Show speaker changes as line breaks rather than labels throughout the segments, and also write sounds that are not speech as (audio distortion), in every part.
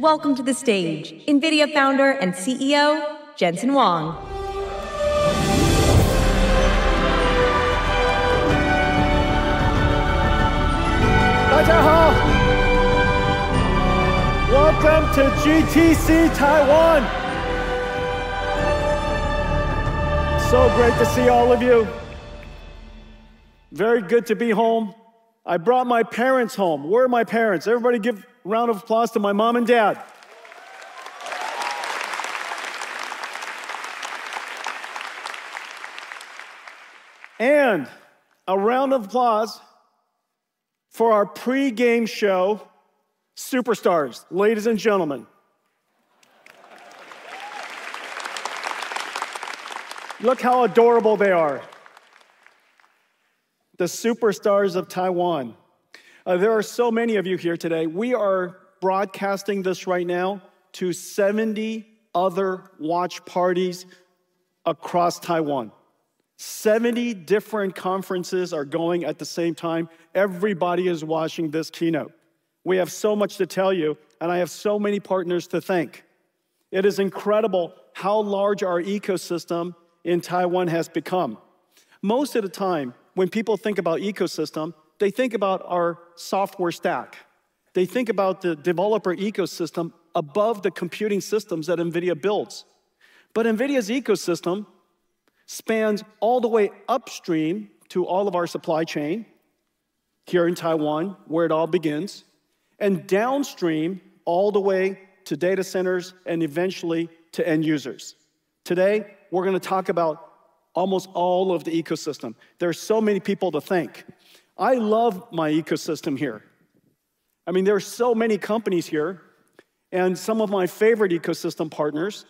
Welcome to the stage, NVIDIA Founder and CEO, Jensen Huang.
Welcome to GTC Taiwan. Great to see all of you. Very good to be home. I brought my parents home. Where are my parents? Everybody give a round of applause to my mum and dad. A round of applause for our pre-game show superstars, ladies and gentlemen. Look how adorable they are. The superstars of Taiwan. There are so many of you here today. We are broadcasting this right now to 70 other watch parties across Taiwan. 70 different conferences are going at the same time. Everybody is watching this keynote. We have so much to tell you, and I have so many partners to thank. It is incredible how large our ecosystem in Taiwan has become. Most of the time, when people think about ecosystem, they think about our software stack. They think about the developer ecosystem above the computing systems that NVIDIA builds. NVIDIA's ecosystem spans all the way upstream to all of our supply chain here in Taiwan, where it all begins, and downstream all the way to data centers, and eventually to end users. Today, we're going to talk about almost all of the ecosystem. There are so many people to thank. I love my ecosystem here. There are so many companies here, and some of my favorite ecosystem partners.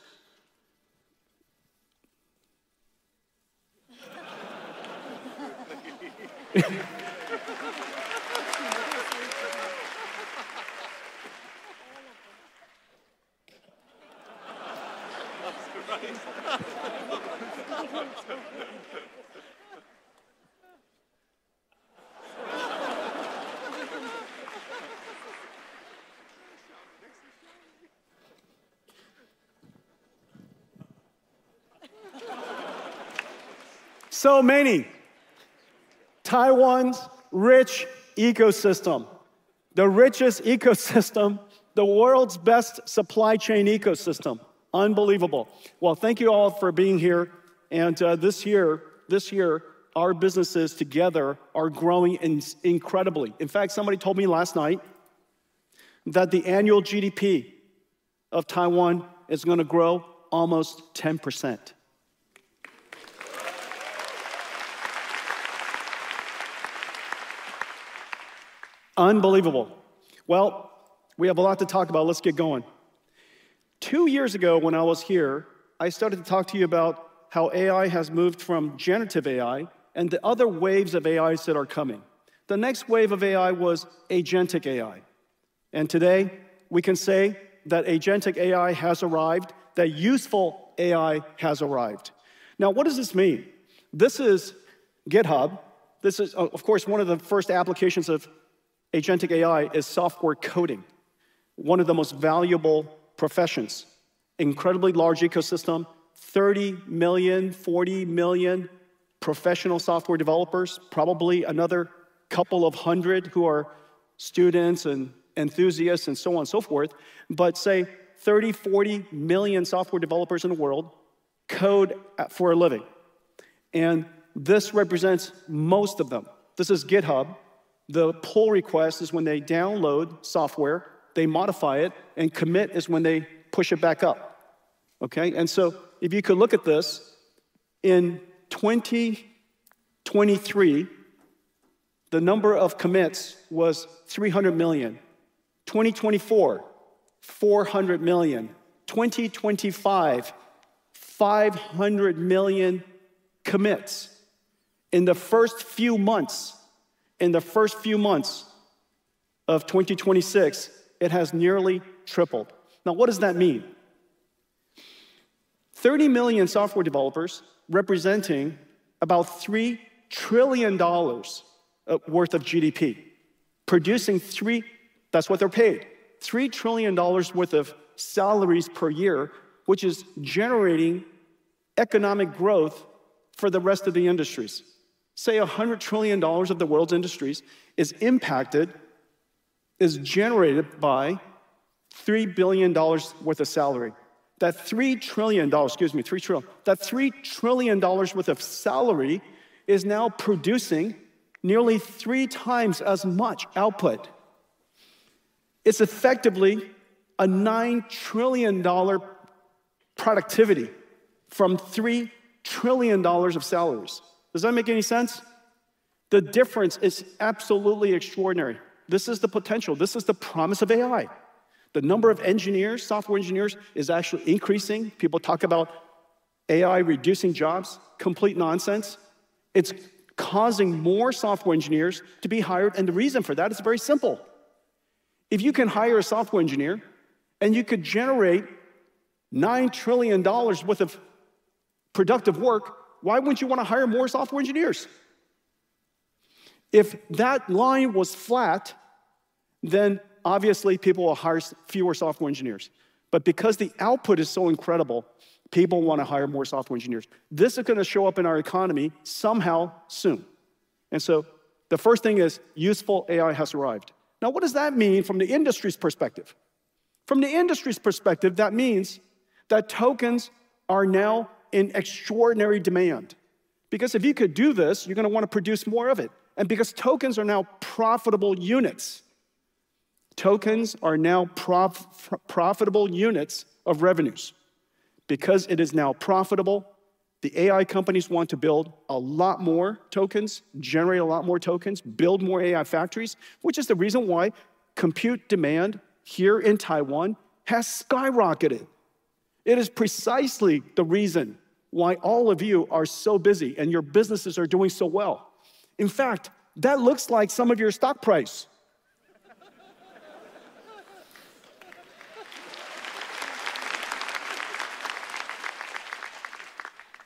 So many. Taiwan's rich ecosystem, the richest ecosystem, the world's best supply chain ecosystem. Unbelievable. Well, thank you all for being here. This year, our businesses together are growing incredibly. In fact, somebody told me last night that the annual GDP of Taiwan is going to grow almost 10%. Unbelievable. Well, we have a lot to talk about. Let's get going. Two years ago, when I was here, I started to talk to you about how AI has moved from generative AI and the other waves of AIs that are coming. The next wave of AI was agentic AI. Today, we can say that agentic AI has arrived, that useful AI has arrived. Now, what does this mean? This is GitHub. Of course, one of the first applications of agentic AI is software coding, one of the most valuable professions. Incredibly large ecosystem, 30 million, 40 million professional software developers, probably another couple of hundred who are students and enthusiasts and so on and so forth. Say 30 million, 40 million software developers in the world, code for a living. This represents most of them. This is GitHub. The pull request is when they download software, they modify it, and commit is when they push it back up. Okay? If you could look at this, in 2023, the number of commits was 300 million, 2024, 400 million, 2025, 500 million commits. In the first few months of 2026, it has nearly tripled. Now, what does that mean? 30 million software developers representing about $3 trillion worth of GDP. That's what they're paid. $3 trillion worth of salaries per year, which is generating economic growth for the rest of the industries. Say $100 trillion of the world's industries is generated by $3 trillion worth of salary. That $3 trillion worth of salary is now producing nearly 3x as much output. It's effectively a $9 trillion productivity from $3 trillion of salaries. Does that make any sense? The difference is absolutely extraordinary. This is the potential. This is the promise of AI. The number of software engineers is actually increasing. People talk about AI reducing jobs. Complete nonsense. It's causing more software engineers to be hired. The reason for that is very simple. If you can hire a software engineer and you could generate $9 trillion worth of productive work, why wouldn't you want to hire more software engineers? If that line was flat, obviously people will hire fewer software engineers. Because the output is so incredible, people want to hire more software engineers. This is going to show up in our economy somehow, soon. The first thing is useful AI has arrived. Now, what does that mean from the industry's perspective? From the industry's perspective, that means that tokens are now in extraordinary demand, because if you could do this, you're going to want to produce more of it. Because tokens are now profitable units. Tokens are now profitable units of revenues. Because it is now profitable, the AI companies want to build a lot more tokens, generate a lot more tokens, build more AI factories, which is the reason why compute demand here in Taiwan has skyrocketed. It is precisely the reason why all of you are so busy and your businesses are doing so well. In fact, that looks like some of your stock price.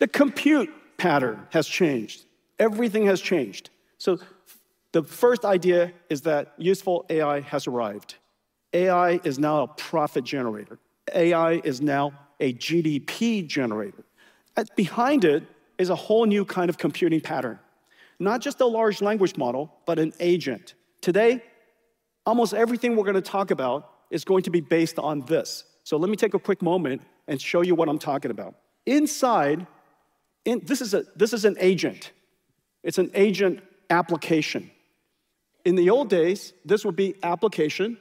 The compute pattern has changed. Everything has changed. The first idea is that useful AI has arrived. AI is now a profit generator. AI is now a GDP generator. Behind it is a whole new kind of computing pattern, not just a large language model, but an agent. Today, almost everything we are going to talk about is going to be based on this. Let me take a quick moment and show you what I am talking about. Inside, this is an agent. It's an agent application. In the old days, this would be application,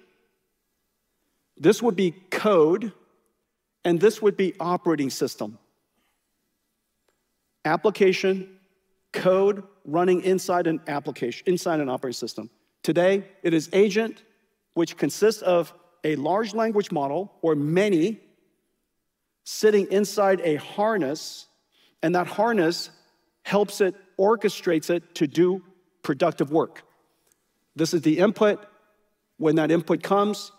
this would be code, and this would be operating system. Application code running inside an operating system. Today it is agent, which consists of a large language model or many, sitting inside a harness, and that harness helps it, orchestrates it to do productive work. This is the input. When that input comes,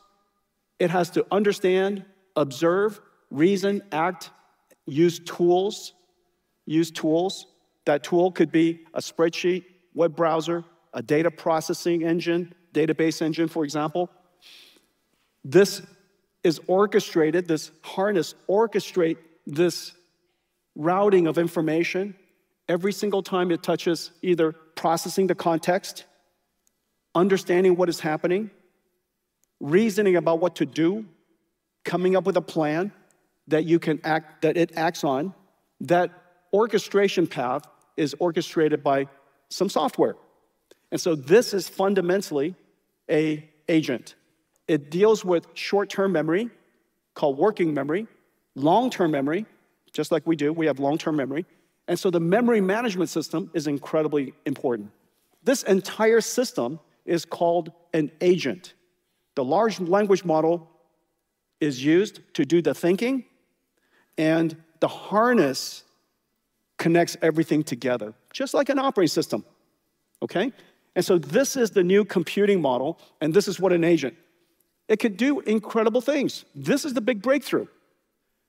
it has to understand, observe, reason, act, use tools. That tool could be a spreadsheet, web browser, a data processing engine, database engine, for example. This is orchestrated, this harness orchestrates this routing of information every single time it touches, either processing the context, understanding what is happening, reasoning about what to do, coming up with a plan that it acts on. That orchestration path is orchestrated by some software. This is fundamentally an agent. It deals with short-term memory, called working memory, long-term memory, just like we do, we have long-term memory. The memory management system is incredibly important. This entire system is called an agent. The large language model is used to do the thinking, and the harness connects everything together, just like an operating system. Okay? This is the new computing model, and this is what an agent. It could do incredible things. This is the big breakthrough.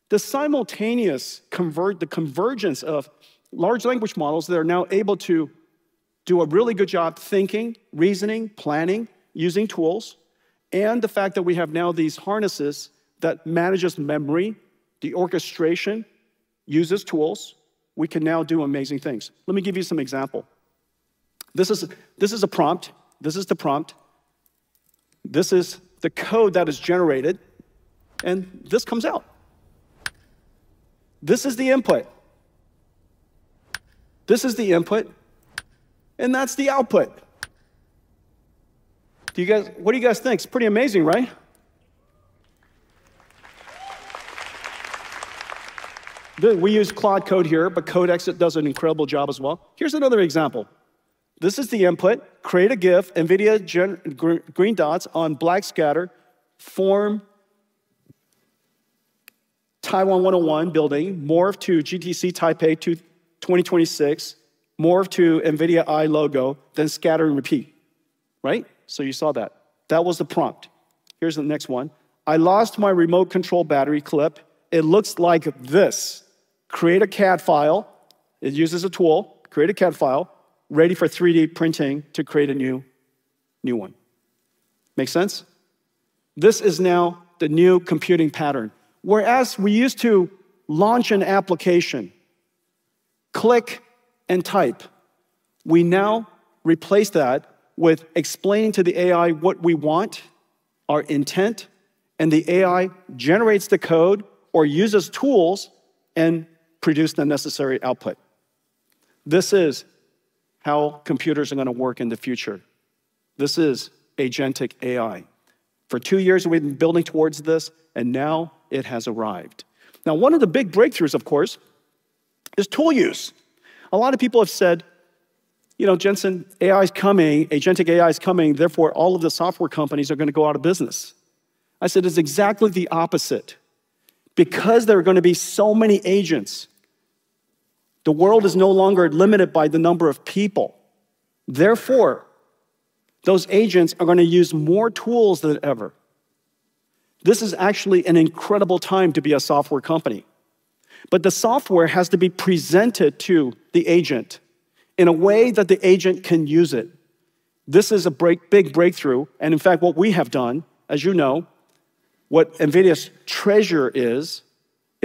The simultaneous convergence of large language models that are now able to do a really good job thinking, reasoning, planning, using tools, and the fact that we have now these harnesses that manages memory, the orchestration, uses tools, we can now do amazing things. Let me give you some example. This is the prompt. This is the code that is generated, and this comes out. This is the input. This is the input, and that's the output. What do you guys think? It's pretty amazing, right? We use Claude Code here, but Codex does an incredible job as well. Here's another example. This is the input, "Create a GIF, NVIDIA green dots on black scatter, form Taiwan 101 building, morph to GTC Taipei 2026, morph to NVIDIA AI logo, then scatter and repeat." Right? You saw that. That was the prompt. Here's the next one, "I lost my remote control battery clip. It looks like this. Create a CAD file. It uses a tool. Create a CAD file ready for 3D printing to create a new one." Make sense? This is now the new computing pattern. Whereas we used to launch an application, click and type, we now replace that with explaining to the AI what we want, our intent, and the AI generates the code or uses tools and produce the necessary output. This is how computers are going to work in the future. This is agentic AI. For two years, we've been building towards this, and now it has arrived. One of the big breakthroughs, of course, is tool use. A lot of people have said, "Jensen, AI is coming, agentic AI is coming, therefore, all of the software companies are going to go out of business." I said, it's exactly the opposite, because there are going to be so many agents, the world is no longer limited by the number of people. Therefore, those agents are going to use more tools than ever. This is actually an incredible time to be a software company. The software has to be presented to the agent in a way that the agent can use it. This is a big breakthrough. In fact, what we have done, as you know, what NVIDIA's treasure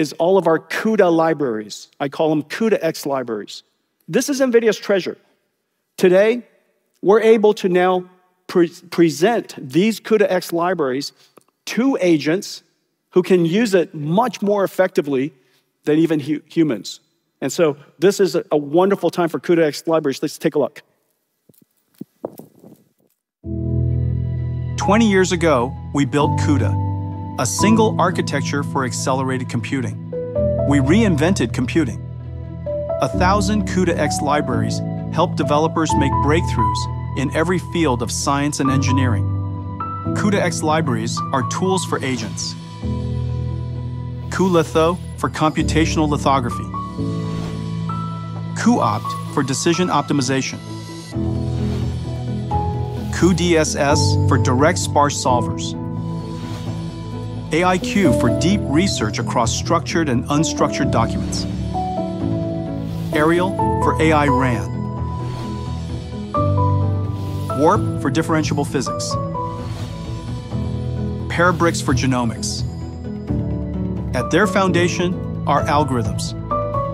is all of our CUDA libraries. I call them CUDA-X libraries. This is NVIDIA's treasure. Today, we're able to now present these CUDA-X libraries to agents who can use it much more effectively than even humans. So this is a wonderful time for CUDA-X libraries. Let's take a look.
20 years ago, we built CUDA, a single architecture for accelerated computing. We reinvented computing. 1,000 CUDA-X libraries help developers make breakthroughs in every field of science and engineering. CUDA-X libraries are tools for agents; cuLitho for computational lithography, cuOpt for decision optimization, cuDSS for direct sparse solvers. AI-Q for deep research across structured and unstructured documents. Aerial for AI-RAN. Warp for differentiable physics. Parabricks for genomics. At their foundation are algorithms,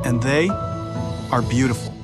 and they are beautiful.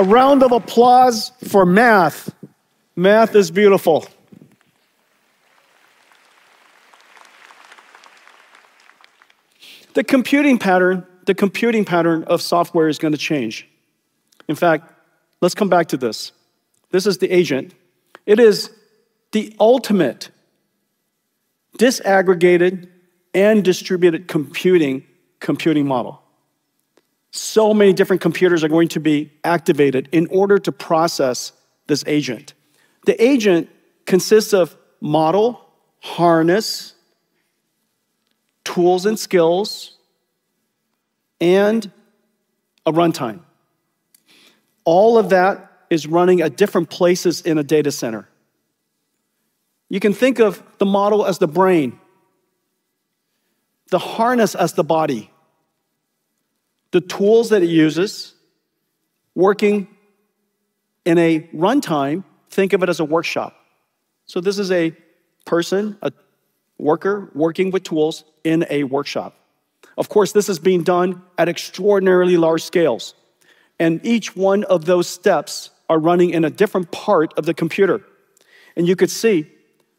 A round of applause for math. Math is beautiful. The computing pattern of software is going to change. Let's come back to this. This is the agent. It is the ultimate disaggregated and distributed computing model. Many different computers are going to be activated in order to process this agent. The agent consists of model, harness, tools and skills, and a runtime. All of that is running at different places in a data center. You can think of the model as the brain, the harness as the body. The tools that it uses, working in a runtime, think of it as a workshop. This is a person, a worker, working with tools in a workshop. Of course, this is being done at extraordinarily large scales, and each one of those steps are running in a different part of the computer. You could see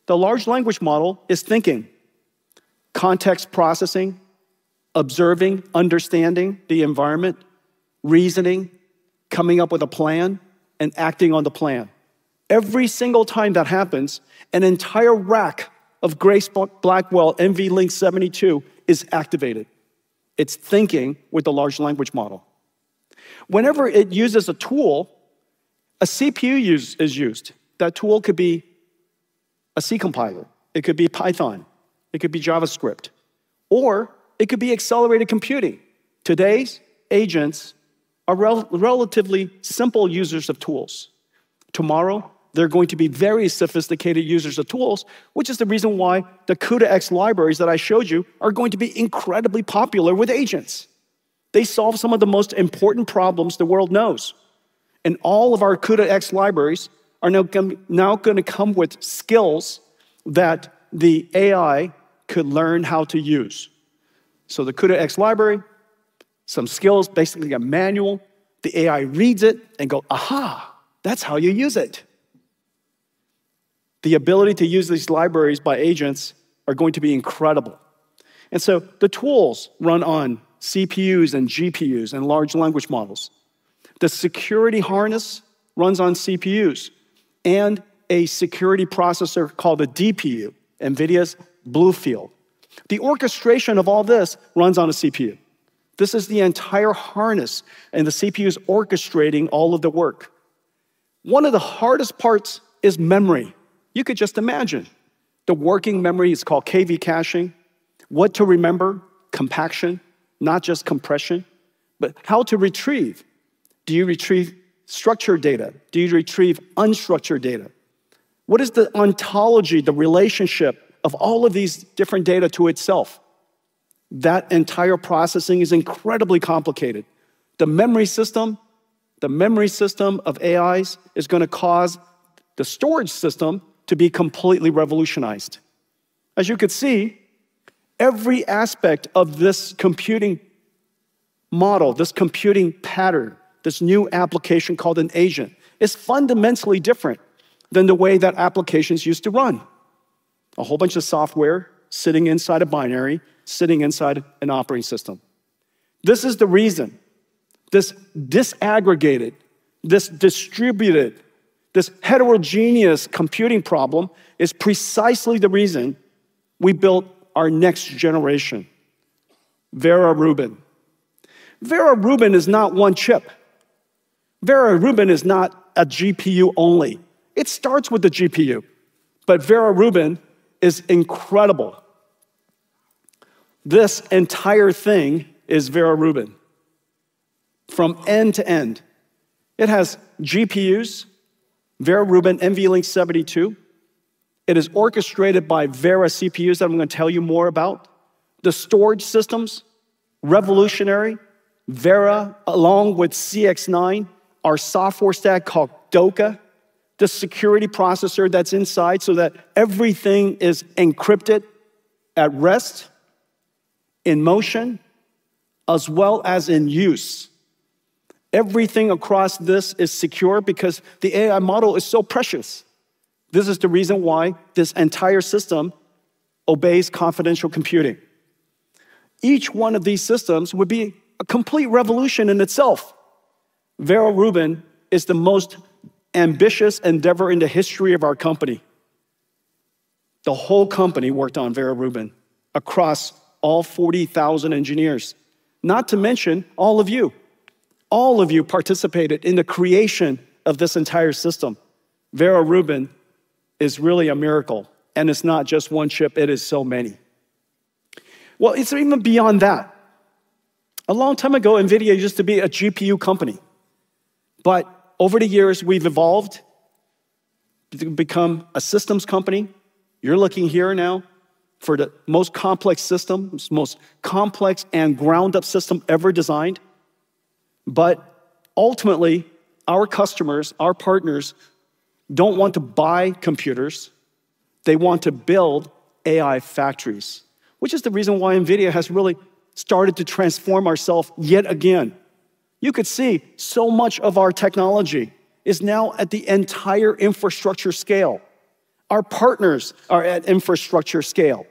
the large language model is thinking, context processing, observing, understanding the environment, reasoning, coming up with a plan, and acting on the plan. Every single time that happens, an entire rack of Grace Blackwell NVL72 is activated. It's thinking with a large language model. Whenever it uses a tool, a CPU is used. That tool could be a C compiler, it could be Python, it could be JavaScript, or it could be accelerated computing. Today's agents are relatively simple users of tools. Tomorrow they're going to be very sophisticated users of tools, which is the reason why the CUDA-X libraries that I showed you are going to be incredibly popular with agents. They solve some of the most important problems the world knows, and all of our CUDA-X libraries are now going to come with skills that the AI could learn how to use. The CUDA-X library, some skills, basically a manual, the AI reads it and go, "Uh-huh, that's how you use it." The ability to use these libraries by agents are going to be incredible. The tools run on CPUs and GPUs and large language models. The security harness runs on CPUs and a security processor called a DPU, NVIDIA's BlueField. The orchestration of all this runs on a CPU. This is the entire harness, and the CPU is orchestrating all of the work. One of the hardest parts is memory. You could just imagine the working memory is called KV Caching. What to remember, compaction, not just compression, but how to retrieve. Do you retrieve structured data? Do you retrieve unstructured data? What is the ontology, the relationship of all of these different data to itself? That entire processing is incredibly complicated. The memory system of AIs is going to cause the storage system to be completely revolutionized. As you could see, every aspect of this computing model, this computing pattern, this new application called an agent, is fundamentally different than the way that applications used to run. A whole bunch of software sitting inside a binary, sitting inside an operating system. This is the reason, this disaggregated, this distributed, this heterogeneous computing problem is precisely the reason we built our next generation, Vera Rubin. Vera Rubin is not one chip. Vera Rubin is not a GPU only, it's starts with a GPU. Vera Rubin is incredible. This entire thing is Vera Rubin from end to end. It has GPUs, Vera Rubin NVLink 72. It is orchestrated by Vera CPUs that I'm going to tell you more about. The storage systems, revolutionary. Vera, along with CX-9, our software stack called DOCA, the security processor that's inside so that everything is encrypted at rest, in motion, as well as in use. Everything across this is secure because the AI model is so precious. This is the reason why this entire system obeys confidential computing. Each one of these systems would be a complete revolution in itself. Vera Rubin is the most ambitious endeavor in the history of our company. The whole company worked on Vera Rubin across all 40,000 engineers. Not to mention all of you. All of you participated in the creation of this entire system. Vera Rubin is really a miracle, and it's not just one chip, it is so many. Well, it's even beyond that. A long time ago, NVIDIA used to be a GPU company. Over the years, we've evolved to become a systems company. You're looking here now for the most complex system, most complex and ground-up system ever designed. Ultimately, our customers, our partners, don't want to buy computers, they want to build AI factories. The reason why NVIDIA has really started to transform ourself yet again. You could see so much of our technology is now at the entire infrastructure scale. Our partners are at infrastructure scale.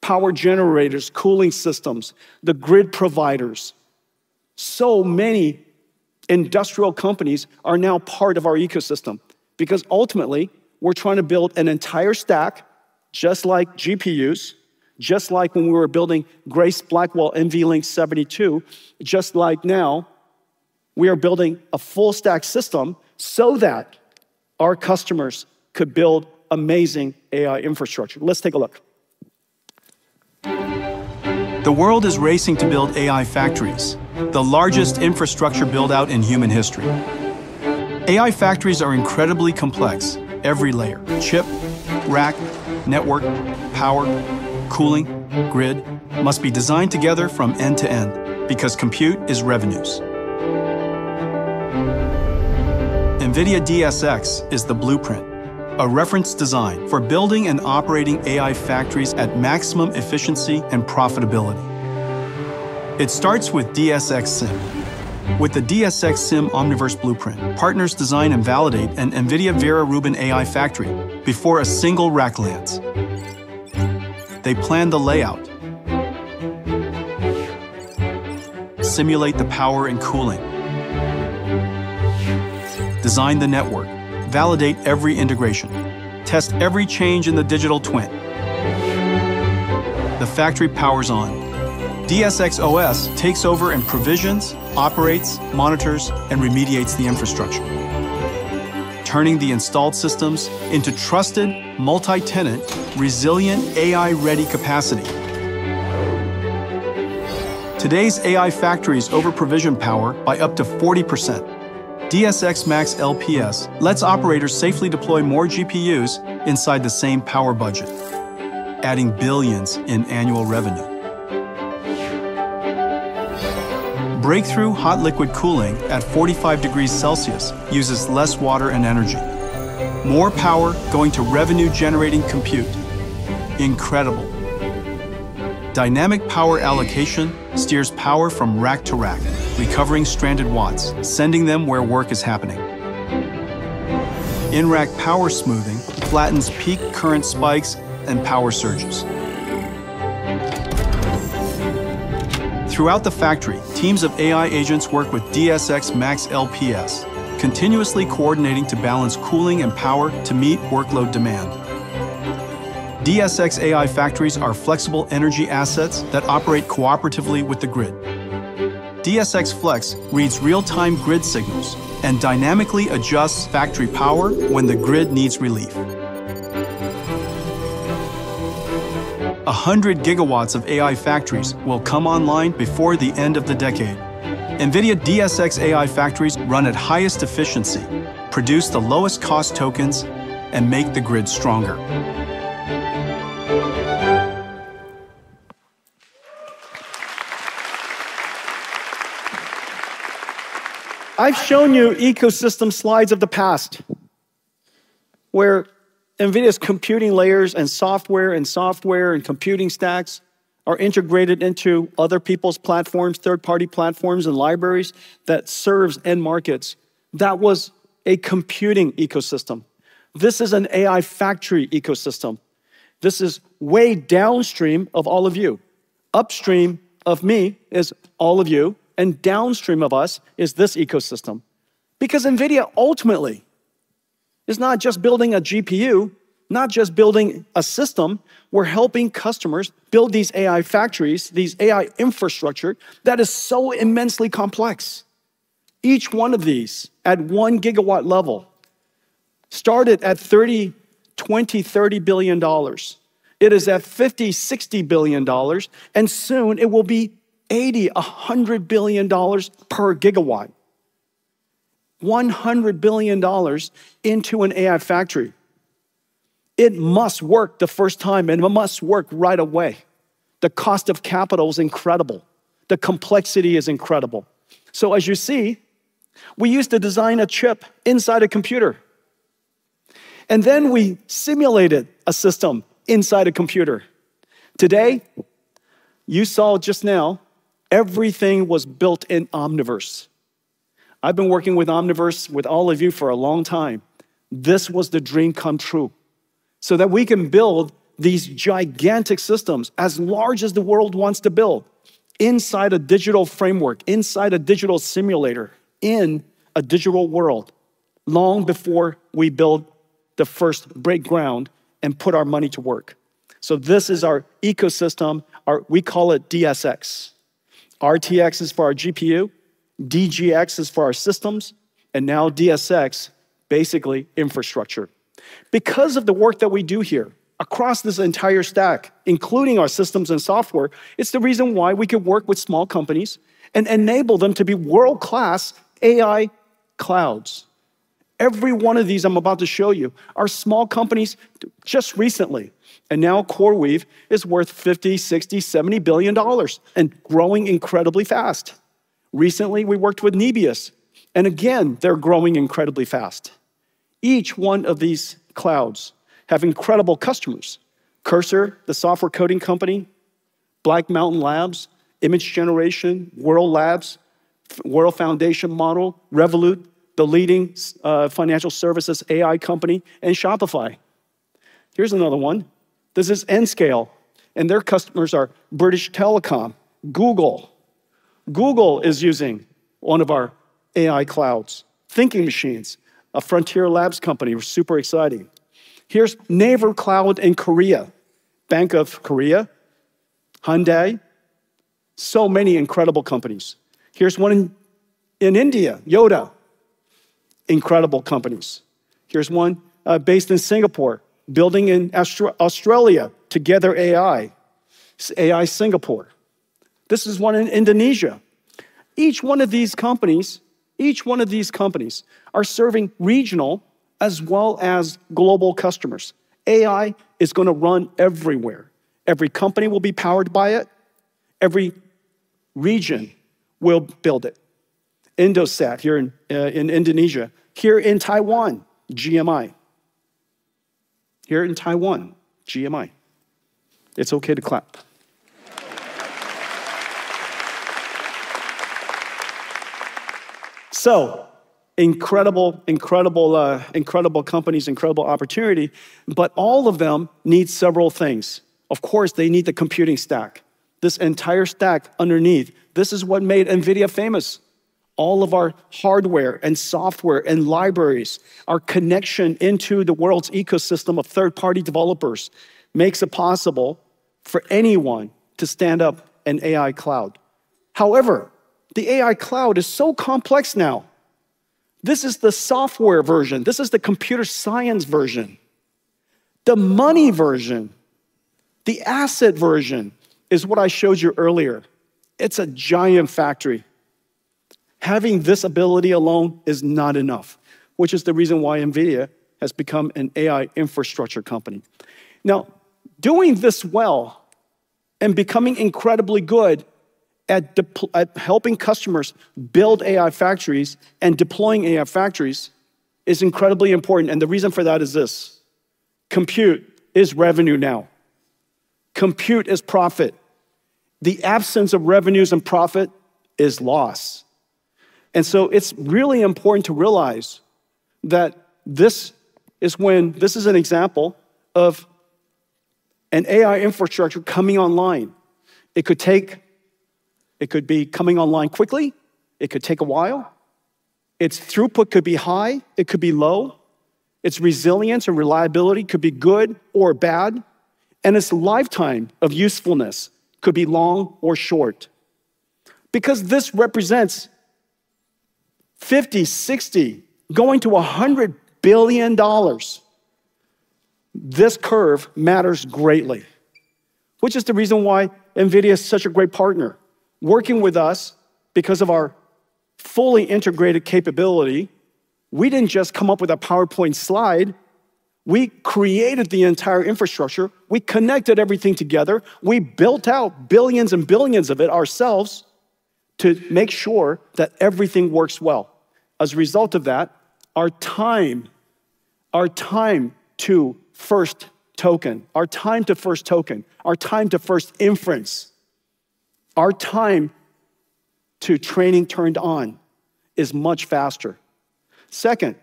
Power generators, cooling systems, the grid providers. Many industrial companies are now part of our ecosystem because ultimately, we're trying to build an entire stack just like GPUs, just like when we were building Grace Blackwell NVL72, just like now, we are building a full stack system so that our customers could build amazing AI infrastructure. Let's take a look.
The world is racing to build AI factories, the largest infrastructure build-out in human history. AI factories are incredibly complex. Every layer, chip, rack, network, power, cooling, grid, must be designed together from end to end, because compute is revenues. NVIDIA DSX is the blueprint, a reference design for building and operating AI factories at maximum efficiency and profitability. It starts with DSX Sim. With the DSX Sim Omniverse Blueprint, partners design and validate an NVIDIA Vera Rubin AI factory before a single rack lands. They plan the layout. Simulate the power and cooling. Design the network. Validate every integration. Test every change in the digital twin. The factory powers on. DSX OS takes over and provisions, operates, monitors, and remediates the infrastructure, turning the installed systems into trusted, multi-tenant, resilient, AI-ready capacity. Today's AI factories over-provision power by up to 40%. DSX MaxLPS lets operators safely deploy more GPUs inside the same power budget, adding billions in annual revenue. Breakthrough hot liquid cooling at 45 degrees Celsius uses less water and energy. More power going to revenue-generating compute. Incredible. Dynamic power allocation steers power from rack to rack, recovering stranded watts, sending them where work is happening. In-rack power smoothing flattens peak current spikes and power surges. Throughout the factory, teams of AI agents work with DSX MaxLPS, continuously coordinating to balance cooling and power to meet workload demand. DSX AI factories are flexible energy assets that operate cooperatively with the grid. DSX Flex reads real-time grid signals and dynamically adjusts factory power when the grid needs relief. 100 GW of AI factories will come online before the end of the decade. NVIDIA DSX AI factories run at highest efficiency, produce the lowest-cost tokens, and make the grid stronger.
I've shown you ecosystem slides of the past, where NVIDIA's computing layers and software and software and computing stacks are integrated into other people's platforms, third-party platforms and libraries that serves end markets. That was a computing ecosystem. This is an AI factory ecosystem. This is way downstream of all of you. Upstream of me is all of you, and downstream of us is this ecosystem. NVIDIA ultimately is not just building a GPU, not just building a system. We're helping customers build these AI factories, these AI infrastructure that is so immensely complex. Each one of these at 1 GW level started at $20 billion, $30 billion. It is at $50 billion, $60 billion, and soon it will be $80 billion, $100 billion per gigawatt. $100 billion into an AI factory. It must work the first time, and it must work right away. The cost of capital is incredible. The complexity is incredible. As you see, we used to design a chip inside a computer, and then we simulated a system inside a computer. Today, you saw just now everything was built in Omniverse. I've been working with Omniverse with all of you for a long time. This was the dream come true, so that we can build these gigantic systems as large as the world wants to build inside a digital framework, inside a digital simulator, in a digital world, long before we build the first break ground and put our money to work. This is our ecosystem. We call it DSX. RTX is for our GPU, DGX is for our systems, and now DSX, basically infrastructure. Because of the work that we do here across this entire stack, including our systems and software, it's the reason why we can work with small companies and enable them to be world-class AI clouds. Every one of these I'm about to show you are small companies just recently, now CoreWeave is worth $50 billion, $60 billion, $70 billion and growing incredibly fast. Recently, we worked with Nebius, again, they're growing incredibly fast. Each one of these clouds have incredible customers. Cursor, the software coding company, Black Forest Labs, Image Generation, World Labs, World Foundation Model, Revolut, the leading financial services AI company, Shopify. Here's another one. This is Nscale, their customers are British Telecom, Google. Google is using one of our AI clouds. Thinking Machines, a Frontier Labs company. We're super excited. Here's NAVER Cloud in Korea, Bank of Korea, Hyundai. Many incredible companies. Here's one in India, Yotta. Incredible companies. Here's one based in Singapore, building in Australia, Together AI Singapore. This is one in Indonesia. Each one of these companies are serving regional as well as global customers. AI is going to run everywhere. Every company will be powered by it. Every region will build it. Indosat here in Indonesia. Here in Taiwan, GMI. Here in Taiwan, GMI. It's okay to clap. Incredible companies, incredible opportunity, but all of them need several things. Of course, they need the computing stack, this entire stack underneath. This is what made NVIDIA famous. All of our hardware and software and libraries, our connection into the world's ecosystem of third-party developers makes it possible for anyone to stand up an AI cloud. However, the AI cloud is so complex now. This is the software version. This is the computer science version. The money version, the asset version is what I showed you earlier. It's a giant factory. Having this ability alone is not enough, which is the reason why NVIDIA has become an AI infrastructure company. Now, doing this well and becoming incredibly good at helping customers build AI factories and deploying AI factories is incredibly important, and the reason for that is this. Compute is revenue now. Compute is profit. The absence of revenues and profit is loss. It's really important to realize that this is an example of an AI infrastructure coming online. It could be coming online quickly, it could take a while, its throughput could be high, it could be low, its resilience or reliability could be good or bad, and its lifetime of usefulness could be long or short. This represents $50 billion, $60 billion, going to $100 billion, this curve matters greatly, which is the reason why NVIDIA is such a great partner. Working with us because of our fully integrated capability, we didn't just come up with a PowerPoint slide, we created the entire infrastructure. We connected everything together. We built out billions and billions of it ourselves to make sure that everything works well. As a result of that, our time to first token, our time to first inference, our time to training turned on is much faster. Second,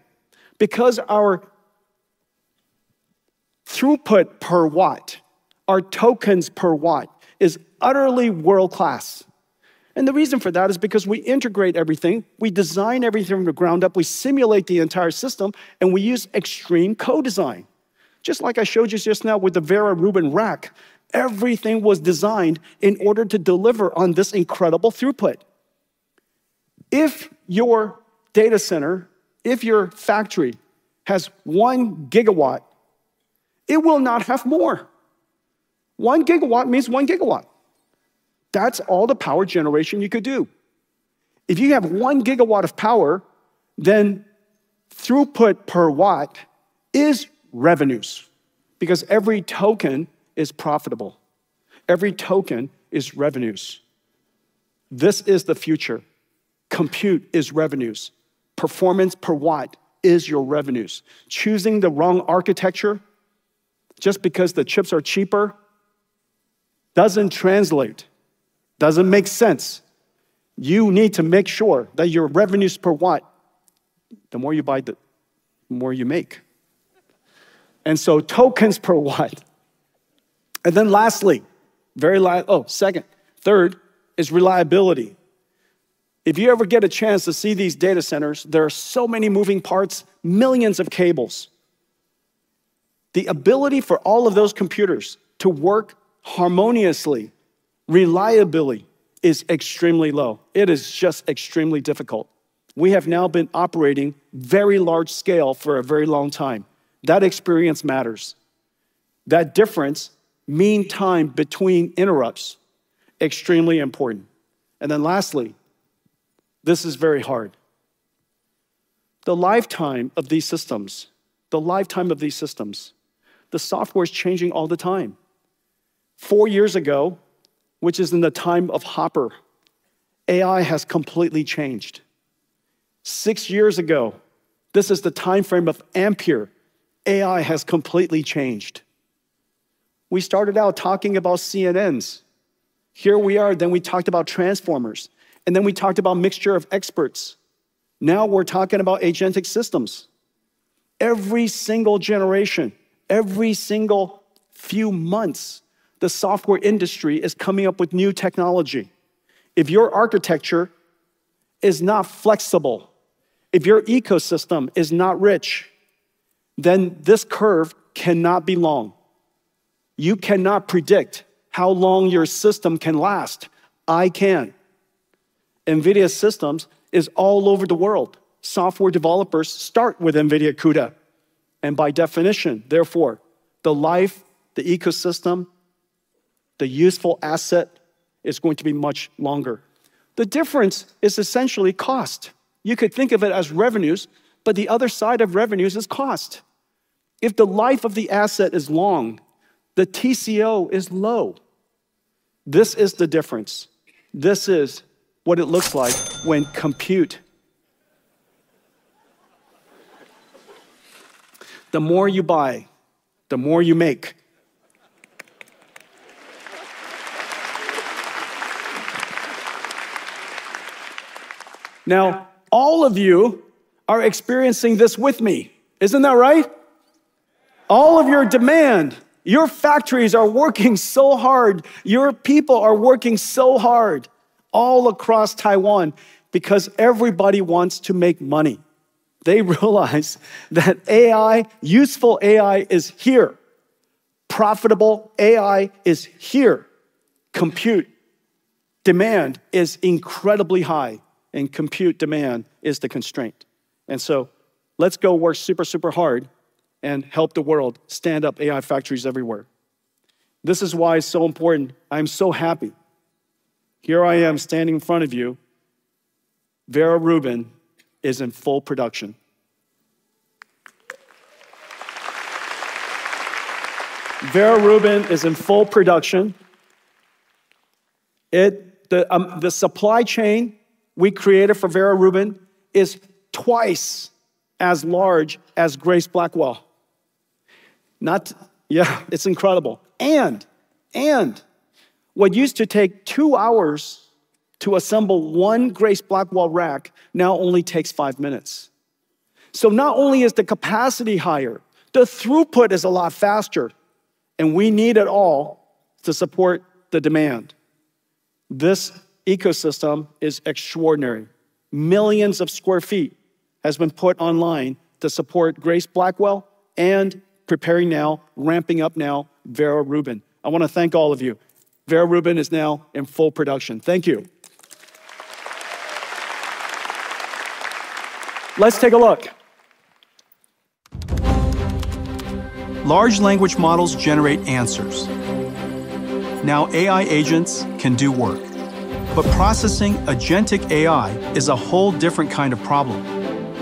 because our throughput per watt, our tokens per watt is utterly world-class, and the reason for that is because we integrate everything, we design everything from the ground up, we simulate the entire system, and we use extreme co-design. Just like I showed you just now with the Vera Rubin rack, everything was designed in order to deliver on this incredible throughput. If your data center, if your factory has 1 GW, it will not have more. 1 GW means 1 GW. That's all the power generation you could do. If you have 1 GW of power, then throughput per watt is revenues because every token is profitable. Every token is revenues. This is the future. Compute is revenues. Performance per watt is your revenues. Choosing the wrong architecture just because the chips are cheaper doesn't translate, doesn't make sense. You need to make sure that your revenues per watt, the more you buy, the more you make. Tokens per watt. Third is reliability. If you ever get a chance to see these data centers, there are so many moving parts, millions of cables. The ability for all of those computers to work harmoniously, reliably is extremely low. It is just extremely difficult. We have now been operating very large scale for a very long time. That experience matters. That difference, mean time between interrupts, extremely important. Lastly, this is very hard. The lifetime of these systems, the software is changing all the time. four years ago, which is in the time of Hopper, AI has completely changed. six years ago, this is the timeframe of Ampere, AI has completely changed. We started out talking about CNNs. Here we are, then we talked about transformers, and then we talked about Mixture of Experts. Now we're talking about agentic systems. Every single generation, every single few months, the software industry is coming up with new technology. If your architecture is not flexible, if your ecosystem is not rich, then this curve cannot be long. You cannot predict how long your system can last. I can. NVIDIA systems is all over the world. Software developers start with NVIDIA CUDA, by definition, therefore, the life, the ecosystem, the useful asset is going to be much longer. The difference is essentially cost. You could think of it as revenues, the other side of revenues is cost. If the life of the asset is long, the TCO is low. This is the difference. This is what it looks like when compute. The more you buy, the more you make. All of you are experiencing this with me. Isn't that right? All of your demand, your factories are working so hard. Your people are working so hard all across Taiwan because everybody wants to make money. They realize that useful AI is here. Profitable AI is here. Compute demand is incredibly high, and compute demand is the constraint. Let's go work super hard and help the world stand up AI factories everywhere. This is why it's so important. I'm so happy. Here I am standing in front of you. Vera Rubin is in full production. Vera Rubin is in full production. The supply chain we created for Vera Rubin is twice as large as Grace Blackwell. Yeah, it's incredible. What used to take two hours to assemble one Grace Blackwell rack now only takes five minutes. Not only is the capacity higher, the throughput is a lot faster, and we need it all to support the demand. This ecosystem is extraordinary. Millions of square feet has been put online to support Grace Blackwell and preparing now, ramping up now, Vera Rubin. I want to thank all of you. Vera Rubin is now in full production. Thank you. Let's take a look.
Large language models generate answers. AI agents can do work. Processing agentic AI is a whole different kind of problem.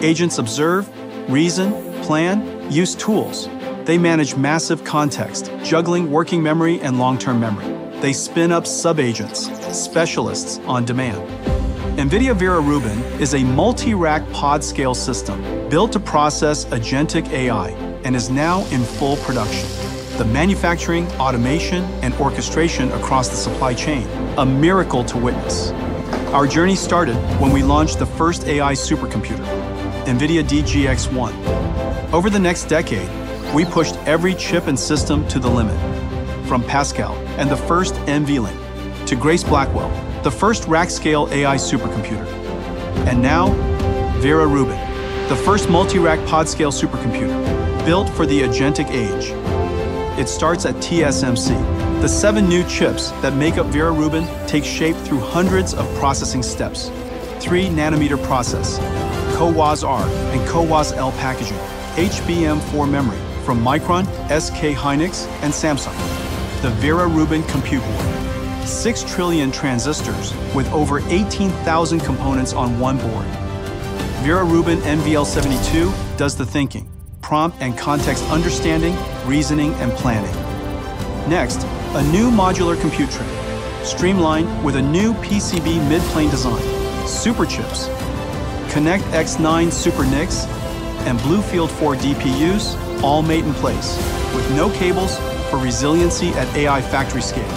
Agents observe, reason, plan, use tools. They manage massive context, juggling working memory and long-term memory. They spin up sub-agents, specialists on demand. NVIDIA Vera Rubin is a multi-rack pod scale system built to process agentic AI and is now in full production. The manufacturing, automation, and orchestration across the supply chain, a miracle to witness. Our journey started when we launched the first AI supercomputer, NVIDIA DGX-1. Over the next decade, we pushed every chip and system to the limit, from Pascal and the first NVLink to Grace Blackwell, the first rack-scale AI supercomputer. Now, Vera Rubin, the first multi-rack pod scale supercomputer built for the agentic age. It starts at TSMC. The seven new chips that make up Vera Rubin take shape through hundreds of processing steps. Three nanometer process, CoWoS-R and CoWoS-L packaging, HBM4 memory from Micron, SK hynix and Samsung. The Vera Rubin Compute Board, six trillion transistors with over 18,000 components on one board. Vera Rubin NVL72 does the thinking, prompt and context understanding, reasoning, and planning. Next, a new modular compute tray, streamlined with a new PCB mid-plane design. Superchips, ConnectX-9 SuperNICs, and BlueField-4 DPUs all mate in place with no cables for resiliency at AI factory scale.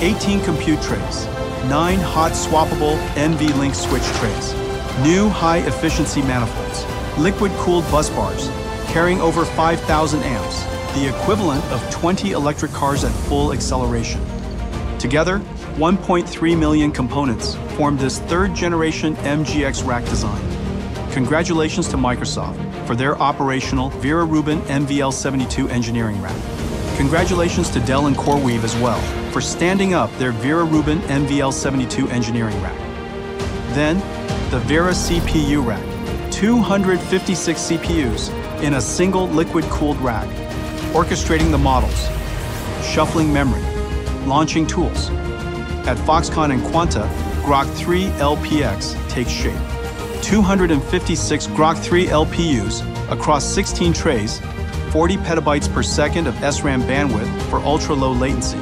18 compute trays, nine hot swappable NVLink switch trays. New high-efficiency manifolds, liquid-cooled busbars carrying over 5,000 amps, the equivalent of 20 electric cars at full acceleration. Together, 1.3 million components form this third-generation MGX rack design. Congratulations to Microsoft for their operational Vera Rubin NVL72 engineering rack. Congratulations to Dell and CoreWeave as well for standing up their Vera Rubin NVL72 engineering rack. The Vera CPU rack. 256 CPUs in a single liquid-cooled rack, orchestrating the models, shuffling memory, launching tools. At Foxconn and Quanta, Groq 3 LPX takes shape. 256 Groq 3 LPUs across 16 trays, 40 Pbps of SRAM bandwidth for ultra-low latency.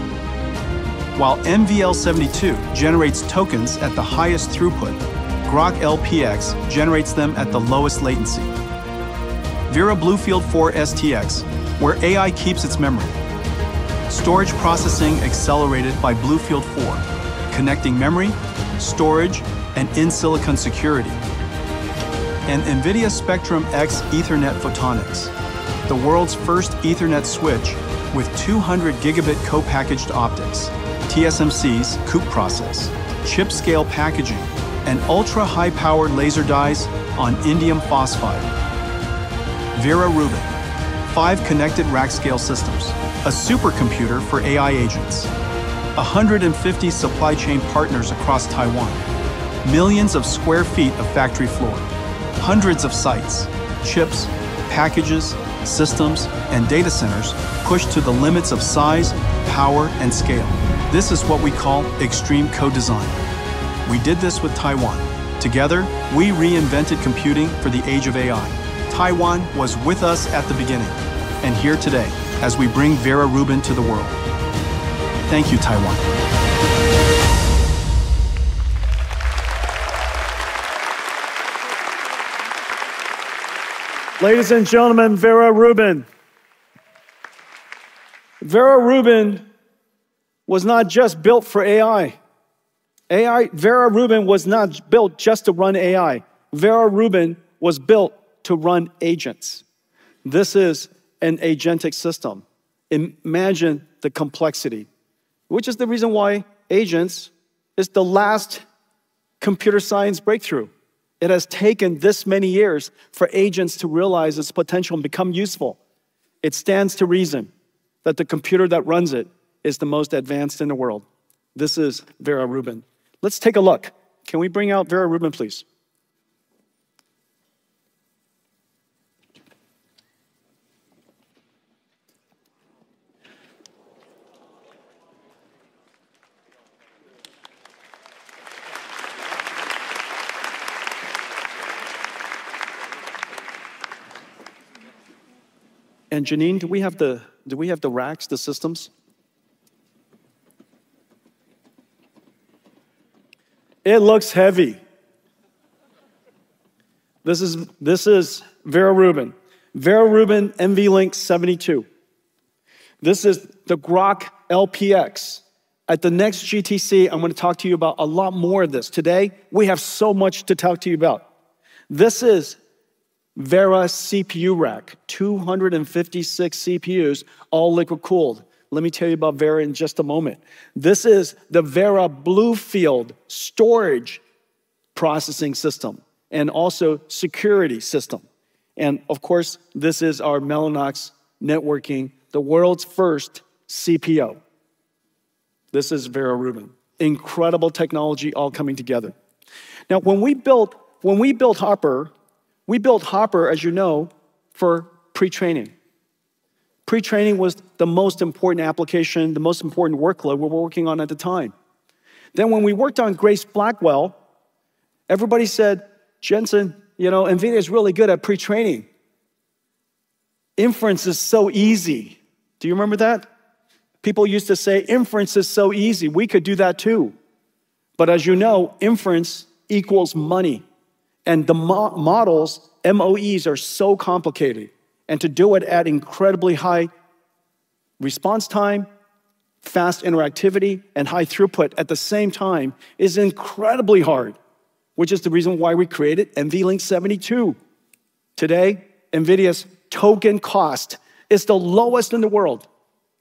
While NVL72 generates tokens at the highest throughput, Groq LPX generates them at the lowest latency. Vera BlueField-4 STX, where AI keeps its memory. Storage processing accelerated by BlueField-4, connecting memory, storage, and in-silicon security. NVIDIA Spectrum-X Ethernet Photonics, the world's first Ethernet switch with 200 Gb co-packaged optics, TSMC's COUPE process, chip scale packaging, and ultra-high-powered laser dies on indium phosphide. Vera Rubin, five connected rack scale systems, a supercomputer for AI agents. 150 supply chain partners across Taiwan. Millions of square feet of factory floor. Hundreds of sites, chips, packages, systems, and data centers pushed to the limits of size, power, and scale. This is what we call extreme co-design. We did this with Taiwan. Together, we reinvented computing for the age of AI. Taiwan was with us at the beginning and here today as we bring Vera Rubin to the world. Thank you, Taiwan.
Ladies and gentlemen, Vera Rubin. Vera Rubin was not just built for AI. Vera Rubin was not built just to run AI. Vera Rubin was built to run agents. This is an agentic system. Imagine the complexity, which is the reason why agents is the last computer science breakthrough. It has taken this many years for agents to realize its potential and become useful. It stands to reason that the computer that runs it is the most advanced in the world. This is Vera Rubin. Let's take a look. Can we bring out Vera Rubin, please? Janine, do we have the racks, the systems? It looks heavy. This is Vera Rubin. Vera Rubin NVL72. This is the Groq LPX. At the next GTC, I'm going to talk to you about a lot more of this. Today, we have so much to talk to you about. This is Vera CPU rack, 256 CPUs, all liquid-cooled. Let me tell you about Vera in just a moment. This is the Vera BlueField storage processing system and also security system. Of course, this is our Mellanox networking, the world's first CPO. This is Vera Rubin. Incredible technology all coming together. When we built Hopper, as you know, for pre-training. Pre-training was the most important application, the most important workload we were working on at the time. When we worked on Grace Blackwell, everybody said, "Jensen, NVIDIA is really good at pre-training. Inference is so easy." Do you remember that? People used to say, "Inference is so easy. We could do that, too." As you know, inference equals money, and the models, MoEs, are so complicated. To do it at incredibly high response time, fast interactivity, and high throughput at the same time is incredibly hard, which is the reason why we created NVLink 72. Today, NVIDIA's token cost is the lowest in the world,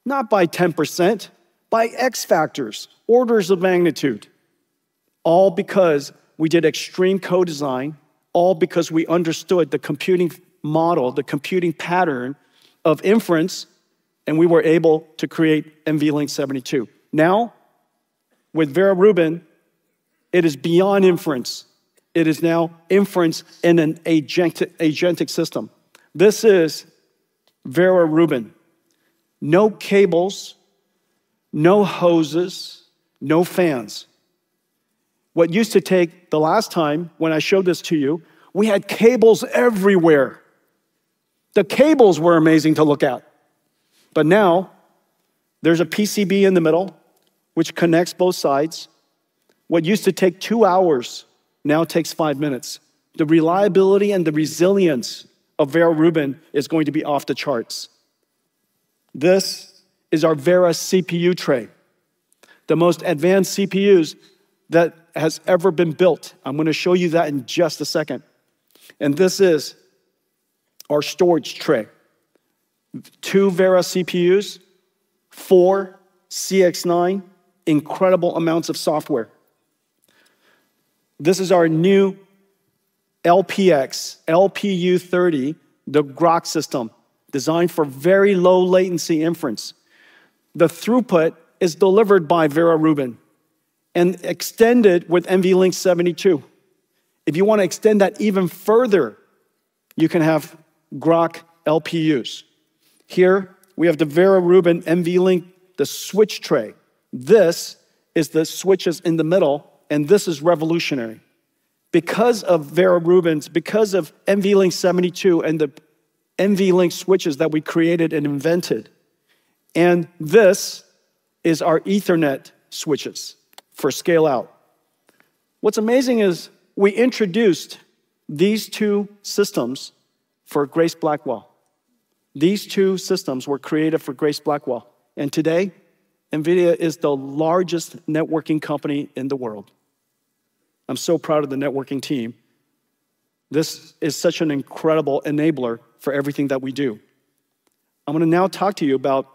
not by 10%, by X factors, orders of magnitude. All because we did extreme co-design, all because we understood the computing model, the computing pattern of inference, and we were able to create NVLink 72. With Vera Rubin, it is beyond inference. It is now inference in an agentic system. This is Vera Rubin. No cables, no hoses, no fans. What used to take the last time when I showed this to you, we had cables everywhere. The cables were amazing to look at. Now there's a PCB in the middle which connects both sides. What used to take two hours now takes five minutes. The reliability and the resilience of Vera Rubin is going to be off the charts. This is our Vera CPU tray, the most advanced CPUs that has ever been built. I'm going to show you that in just a second. This is our storage tray. Two Vera CPUs, four CX9, incredible amounts of software. This is our new LPX, LPU 30, the Groq system, designed for very low latency inference. The throughput is delivered by Vera Rubin and extended with NVLink 72. If you want to extend that even further, you can have Groq LPUs. Here, we have the Vera Rubin NVLink, the switch tray. This is the switches in the middle, and this is revolutionary. Because of Vera Rubin's, because of NVLink 72 and the NVLink switches that we created and invented. This is our Ethernet switches for scale-out. What's amazing is we introduced these two systems for Grace Blackwell. These two systems were created for Grace Blackwell. Today, NVIDIA is the largest networking company in the world. I'm so proud of the networking team. This is such an incredible enabler for everything that we do. I'm going to now talk to you about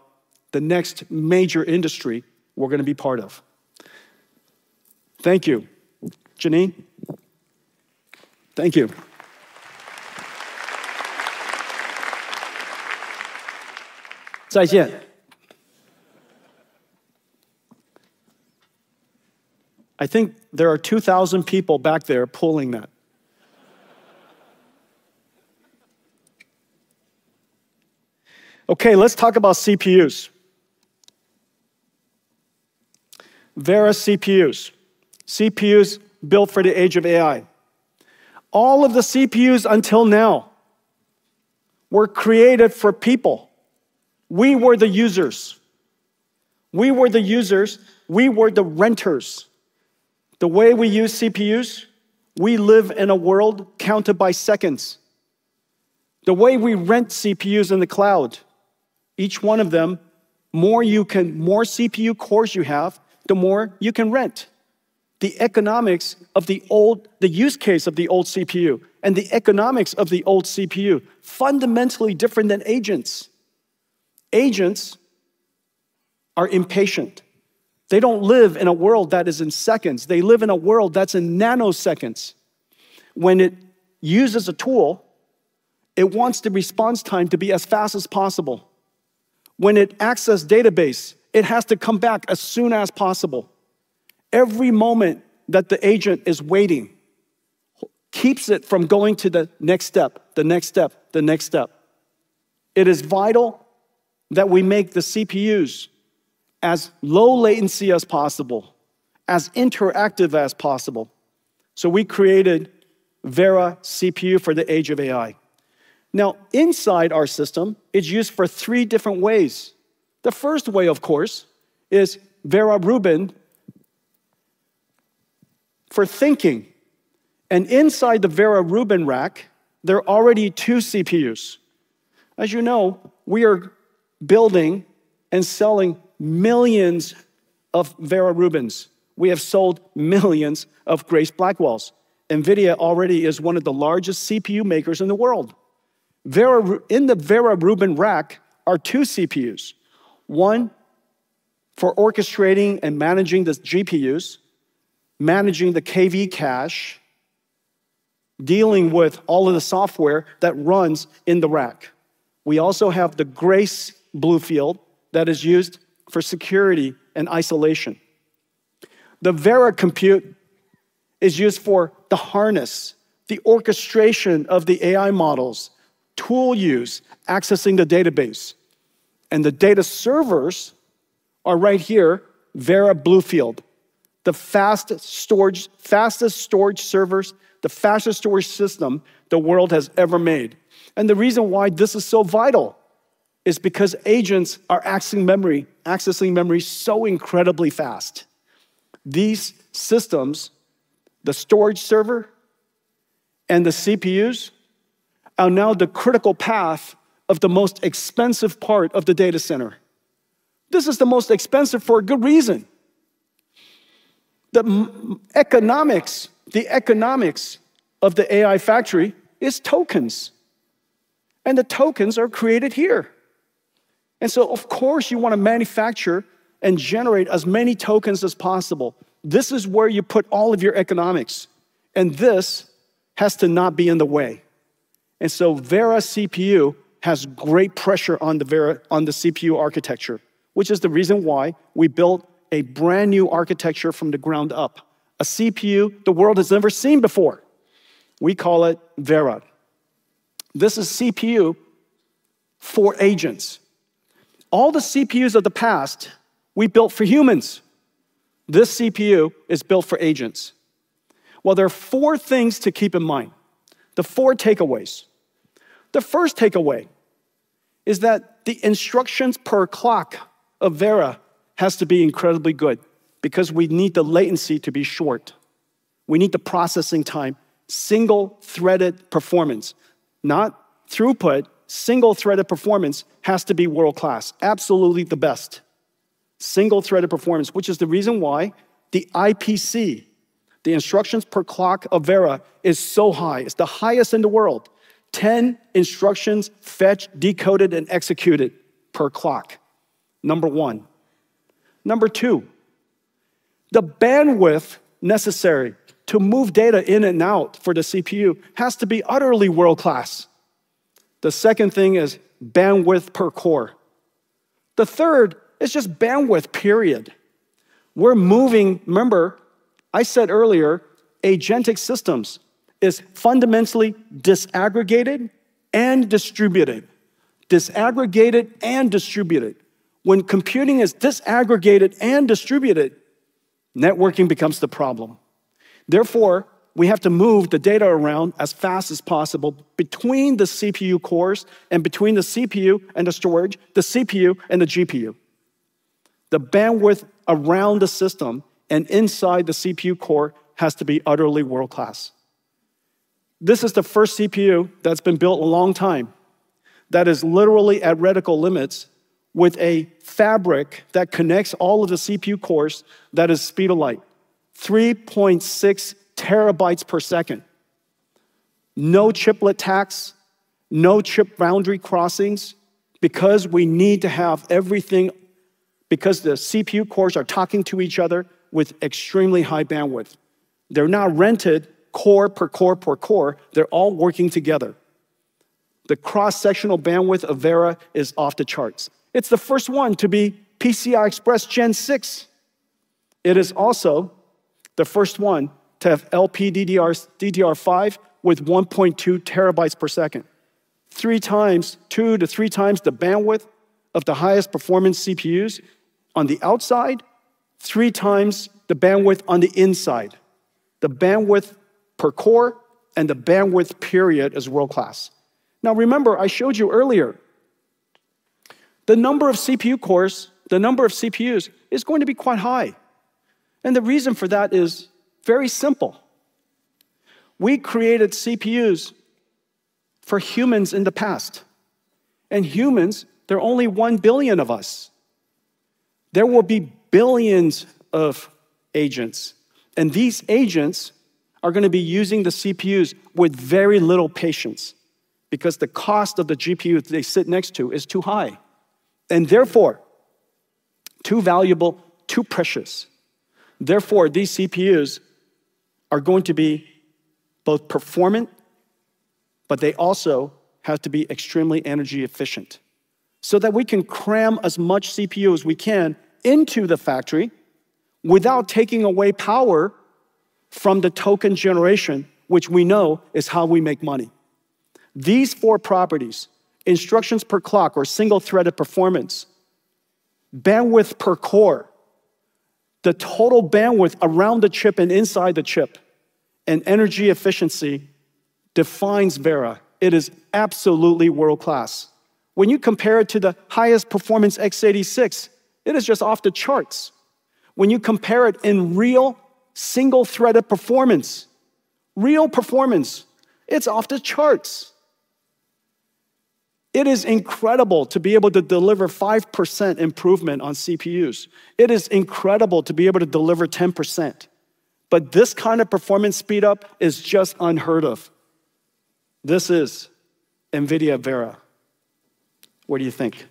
the next major industry we're going to be part of. Thank you. Janine. Thank you. I think there are 2,000 people back there pulling that. Let's talk about CPUs. Vera CPUs. CPUs built for the age of AI. All of the CPUs until now were created for people. We were the users, we were the renters. The way we use CPUs, we live in a world counted by seconds. The way we rent CPUs in the cloud, each one of them, more CPU cores you have, the more you can rent. The use case of the old CPU and the economics of the old CPU, fundamentally different than agents. Agents are impatient. They don't live in a world that is in seconds. They live in a world that's in nanoseconds. When it uses a tool, it wants the response time to be as fast as possible. When it access database, it has to come back as soon as possible. Every moment that the agent is waiting keeps it from going to the next step. It is vital that we make the CPUs as low latency as possible, as interactive as possible. We created Vera CPU for the age of AI. Now, inside our system, it's used for three different ways. The first way, of course, is Vera Rubin for thinking. Inside the Vera Rubin rack, there are already two CPUs. As you know, we are building and selling millions of Vera Rubins. We have sold millions of Grace Blackwells. NVIDIA already is one of the largest CPU makers in the world. In the Vera Rubin rack are two CPUs, one for orchestrating and managing the GPUs, managing the KV cache, dealing with all of the software that runs in the rack. We also have the Grace BlueField that is used for security and isolation. The Vera CPU is used for the harness, the orchestration of the AI models, tool use, accessing the database. The data servers are right here, Vera BlueField, the fastest storage servers, the fastest storage system the world has ever made. The reason why this is so vital is because agents are accessing memory so incredibly fast. These systems, the storage server, and the CPUs, are now the critical path of the most expensive part of the data center. This is the most expensive for a good reason. The economics of the AI factory is tokens. The tokens are created here. Of course you want to manufacture and generate as many tokens as possible. This is where you put all of your economics, and this has to not be in the way. Vera CPU has great pressure on the CPU architecture, which is the reason why we built a brand-new architecture from the ground up. A CPU the world has never seen before. We call it Vera. This is CPU for agents. All the CPUs of the past we built for humans. This CPU is built for agents. Well, there are four things to keep in mind. The four takeaways. The first takeaway is that the instructions per clock of Vera has to be incredibly good because we need the latency to be short. We need the processing time, single-threaded performance, not throughput, single-threaded performance has to be world-class. Absolutely the best single-threaded performance, which is the reason why the IPC, the instructions per clock of Vera, is so high. It's the highest in the world. Ten instructions fetched, decoded, and executed per clock. Number one. Number two. The bandwidth necessary to move data in and out for the CPU has to be utterly world-class. The second thing is bandwidth per core. The third is just bandwidth, period. Remember I said earlier, agentic systems is fundamentally disaggregated and distributed. When computing is disaggregated and distributed, networking becomes the problem. Therefore, we have to move the data around as fast as possible between the CPU cores and between the CPU and the storage, the CPU and the GPU. The bandwidth around the system and inside the CPU core has to be utterly world-class. This is the first CPU that has been built a long time that is literally at radical limits with a fabric that connects all of the CPU cores that is speed of light, 3.6 Tbps. No chiplet tax, no chip boundary crossings because the CPU cores are talking to each other with extremely high bandwidth. They are not rented core per core per core. They are all working together. The cross-sectional bandwidth of Vera is off the charts. It is the first one to be PCI Express Gen 6. It is also the first one to have LPDDR5 with 1.2 Tbps, 2x to 3x the bandwidth of the highest performance CPUs on the outside, 3x the bandwidth on the inside. The bandwidth per core and the bandwidth period is world-class. Remember, I showed you earlier, the number of CPU cores, the number of CPUs is going to be quite high. The reason for that is very simple. We created CPUs for humans in the past, and humans, there are only 1 billion of us. There will be billions of agents, and these agents are going to be using the CPUs with very little patience because the cost of the GPU they sit next to is too high, and therefore, too valuable, too precious. These CPUs are going to be both performant, but they also have to be extremely energy efficient so that we can cram as much CPU as we can into the factory without taking away power from the token generation, which we know is how we make money. These four properties, instructions per clock or single-threaded performance, bandwidth per core, the total bandwidth around the chip and inside the chip, and energy efficiency defines Vera. It is absolutely world-class. When you compare it to the highest performance x86, it is just off the charts. When you compare it in real single-threaded performance, real performance, it's off the charts. It is incredible to be able to deliver 5% improvement on CPUs. It is incredible to be able to deliver 10%. This kind of performance speed up is just unheard of. This is NVIDIA Vera. What do you think?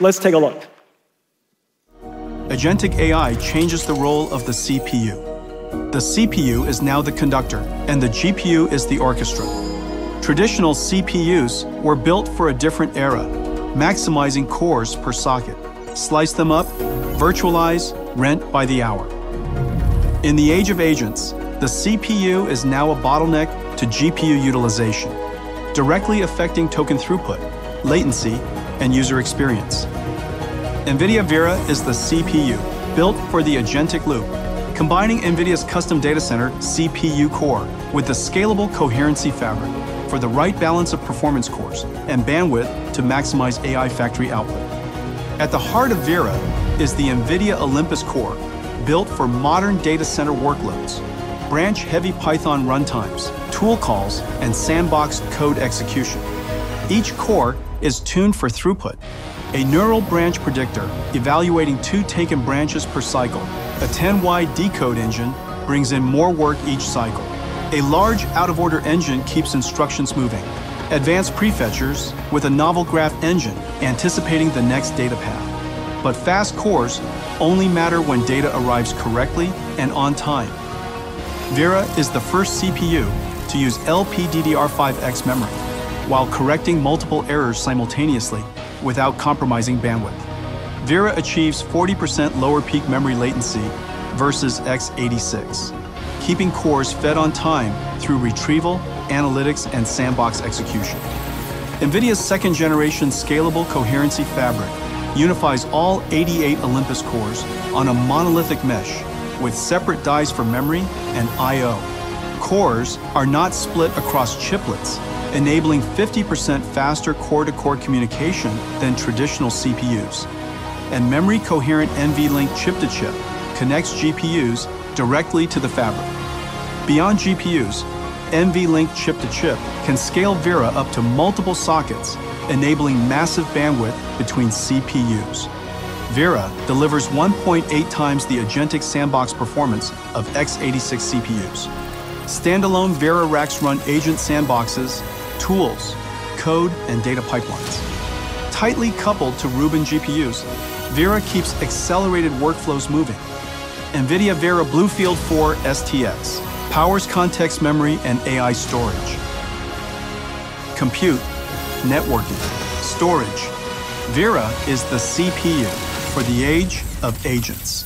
Let's take a look.
Agentic AI changes the role of the CPU. The CPU is now the conductor, and the GPU is the orchestra. Traditional CPUs were built for a different era, maximizing cores per socket. Slice them up, virtualize, rent by the hour. In the age of agents, the CPU is now a bottleneck to GPU utilization, directly affecting token throughput, latency, and user experience. NVIDIA Vera is the CPU built for the agentic loop, combining NVIDIA's custom data center CPU core with a scalable coherency fabric for the right balance of performance cores and bandwidth to maximize AI factory output. At the heart of Vera is the NVIDIA Olympus core, built for modern data center workloads, branch-heavy Python runtimes, tool calls, and sandboxed code execution. Each core is tuned for throughput. A neural branch predictor evaluating two taken branches per cycle. A 10-wide decode engine brings in more work each cycle. A large out-of-order engine keeps instructions moving. Advanced prefetchers with a novel graph engine anticipating the next data path. Fast cores only matter when data arrives correctly and on time. Vera is the first CPU to use LPDDR5X memory while correcting multiple errors simultaneously without compromising bandwidth. Vera achieves 40% lower peak memory latency versus x86, keeping cores fed on time through retrieval, analytics, and sandbox execution. NVIDIA's second-generation scalable coherency fabric unifies all 88 Olympus cores on a monolithic mesh with separate dies for memory and I/O. Cores are not split across chiplets, enabling 50% faster core-to-core communication than traditional CPUs. Memory-coherent NVLink chip-to-chip connects GPUs directly to the fabric. Beyond GPUs, NVLink chip-to-chip can scale Vera up to multiple sockets, enabling massive bandwidth between CPUs. Vera delivers 1.8x the agentic sandbox performance of x86 CPUs. Standalone Vera racks run agent sandboxes, tools, code, and data pipelines. Tightly coupled to Rubin GPUs, Vera keeps accelerated workflows moving. NVIDIA Vera BlueField-4 STX powers context memory and AI storage. Compute, networking, storage. Vera is the CPU for the age of agents.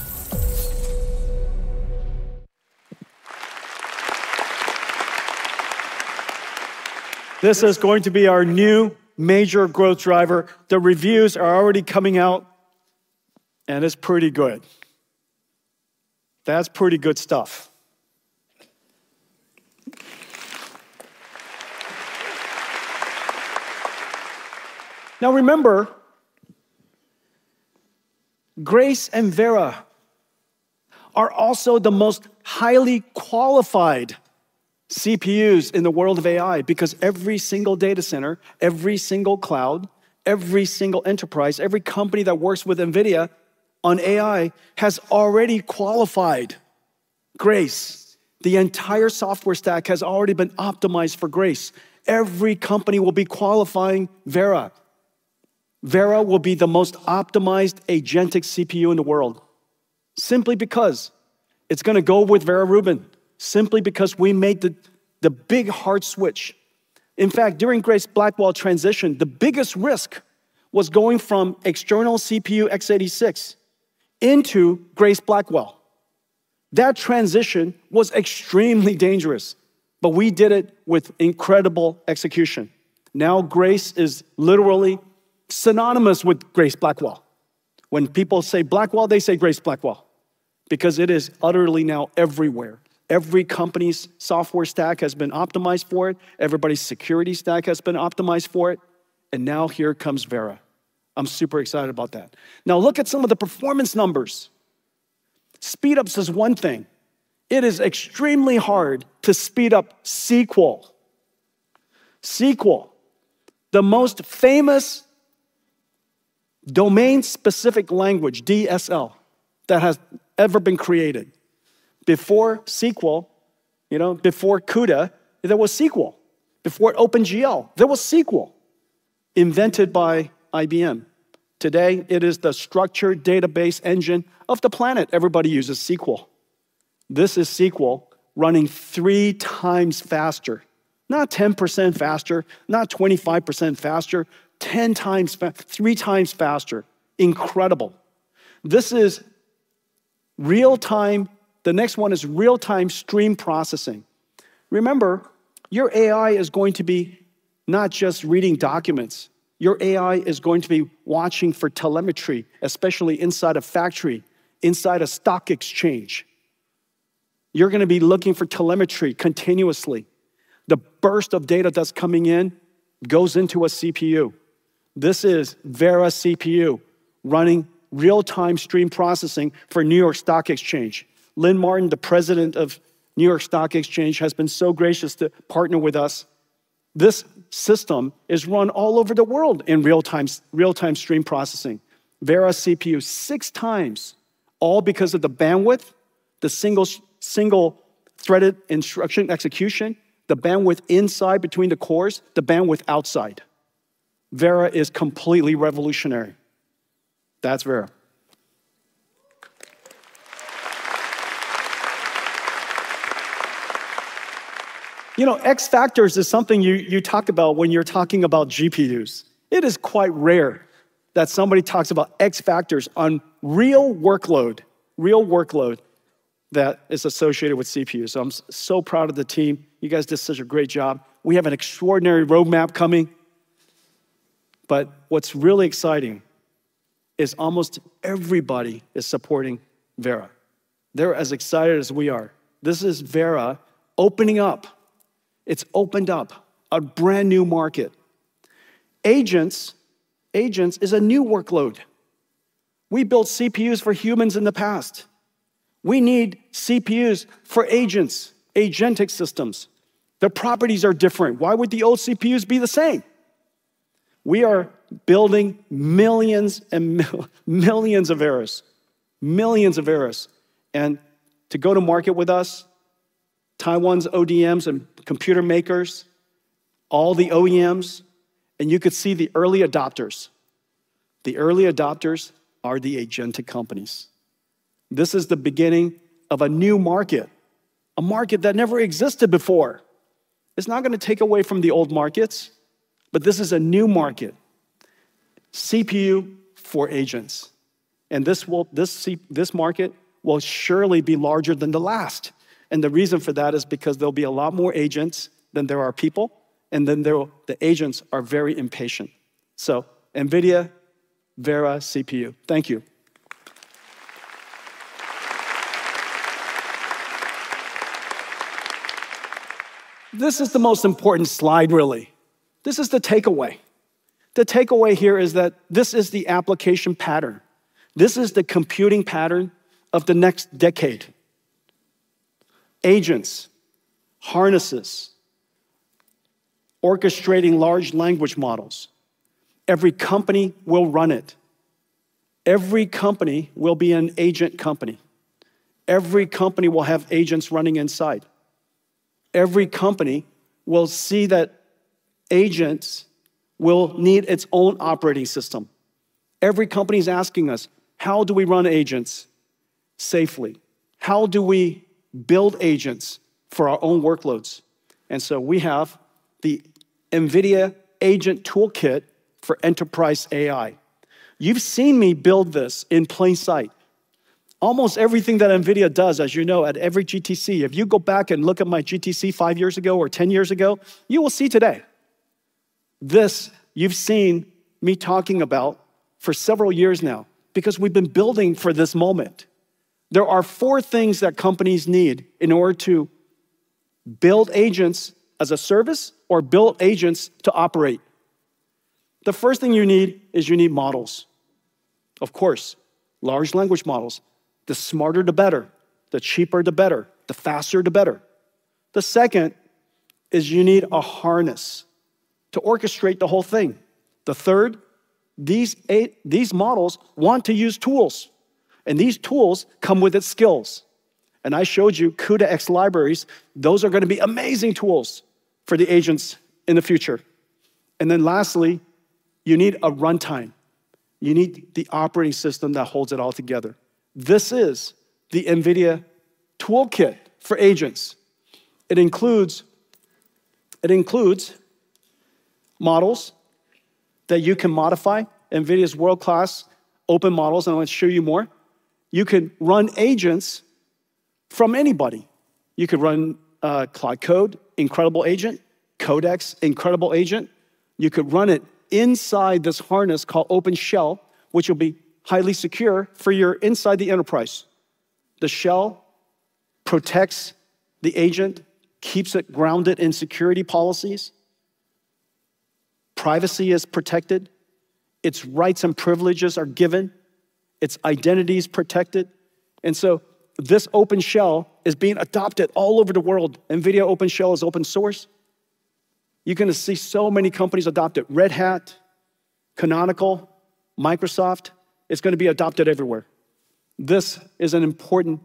This is going to be our new major growth driver. The reviews are already coming out, it's pretty good. That's pretty good stuff. Remember, Grace and Vera are also the most highly qualified CPUs in the world of AI because every single data center, every single cloud, every single enterprise, every company that works with NVIDIA on AI has already qualified Grace. The entire software stack has already been optimized for Grace. Every company will be qualifying Vera. Vera will be the most optimized agentic CPU in the world simply because it's going to go with Vera Rubin, simply because we made the big hard switch. During Grace Blackwell transition, the biggest risk was going from external CPU x86 into Grace Blackwell. That transition was extremely dangerous, we did it with incredible execution. Grace is literally synonymous with Grace Blackwell. When people say Blackwell, they say Grace Blackwell, because it is utterly now everywhere. Every company's software stack has been optimized for it. Everybody's security stack has been optimized for it. Now here comes Vera. I'm super excited about that. Now look at some of the performance numbers. Speedups is one thing. It is extremely hard to speed up SQL. SQL, the most famous domain-specific language, DSL, that has ever been created. Before SQL, before CUDA, there was SQL. Before OpenGL, there was SQL, invented by IBM. Today, it is the structured database engine of the planet. Everybody uses SQL. This is SQL running 3x faster, not 10% faster, not 25% faster, 3x faster. Incredible. The next one is real-time stream processing. Remember, your AI is going to be not just reading documents. Your AI is going to be watching for telemetry, especially inside a factory, inside a stock exchange. You're going to be looking for telemetry continuously. The burst of data that's coming in goes into a CPU. This is Vera CPU running real-time stream processing for New York Stock Exchange. Lynn Martin, the president of New York Stock Exchange, has been so gracious to partner with us. This system is run all over the world in real-time stream processing. Vera CPU, 3x, all because of the bandwidth, the single-threaded instruction execution, the bandwidth inside between the cores, the bandwidth outside. Vera is completely revolutionary. That's Vera. X factors is something you talk about when you're talking about GPUs. It is quite rare that somebody talks about X factors on real workload that is associated with CPU. I'm so proud of the team. You guys did such a great job. We have an extraordinary roadmap coming. What's really exciting is almost everybody is supporting Vera. They're as excited as we are. This is Vera opening up. It's opened up a brand new market. Agents is a new workload. We built CPUs for humans in the past. We need CPUs for agents, agentic systems. Their properties are different. Why would the old CPUs be the same? We are building millions and millions of Veras, millions of Veras. To go to market with us, Taiwan's ODMs and computer makers, all the OEMs, and you could see the early adopters. The early adopters are the agentic companies. This is the beginning of a new market, a market that never existed before. It's not going to take away from the old markets, but this is a new market, CPU for agents. This market will surely be larger than the last, the reason for that is because there'll be a lot more agents than there are people, the agents are very impatient. NVIDIA Vera CPU. Thank you. This is the most important slide, really. This is the takeaway. The takeaway here is that this is the application pattern. This is the computing pattern of the next decade. Agents, harnesses, orchestrating large language models. Every company will run it. Every company will be an agent company. Every company will have agents running inside. Every company will see that agents will need its own operating system. Every company is asking us, "How do we run agents safely? How do we build agents for our own workloads?" We have the NVIDIA Agent Toolkit for Enterprise AI. You've seen me build this in plain sight. Almost everything that NVIDIA does, as you know, at every GTC, if you go back and look at my GTC five years ago or 10 years ago, you will see today. This, you've seen me talking about for several years now, because we've been building for this moment. There are four things that companies need in order to build agents as a service or build agents to operate. The first thing you need is you need models. Of course, large language models. The smarter, the better. The cheaper, the better. The faster, the better. The second is you need a harness to orchestrate the whole thing. The third, these models want to use tools, these tools come with its skills. I showed you CUDA-X libraries. Those are going to be amazing tools for the agents in the future. Lastly, you need a runtime. You need the operating system that holds it all together. This is the NVIDIA toolkit for agents. It includes models that you can modify, NVIDIA's world-class open models. I'm going to show you more. You could run agents from anybody. You could run Claude Code, incredible agent, Codex, incredible agent. You could run it inside this harness called OpenShell, which will be highly secure for your inside the enterprise. The shell protects the agent, keeps it grounded in security policies. Privacy is protected. Its rights and privileges are given. Its identity is protected. This OpenShell is being adopted all over the world. NVIDIA OpenShell is open source. You're going to see so many companies adopt it. Red Hat, Canonical, Microsoft. It's going to be adopted everywhere. This is important.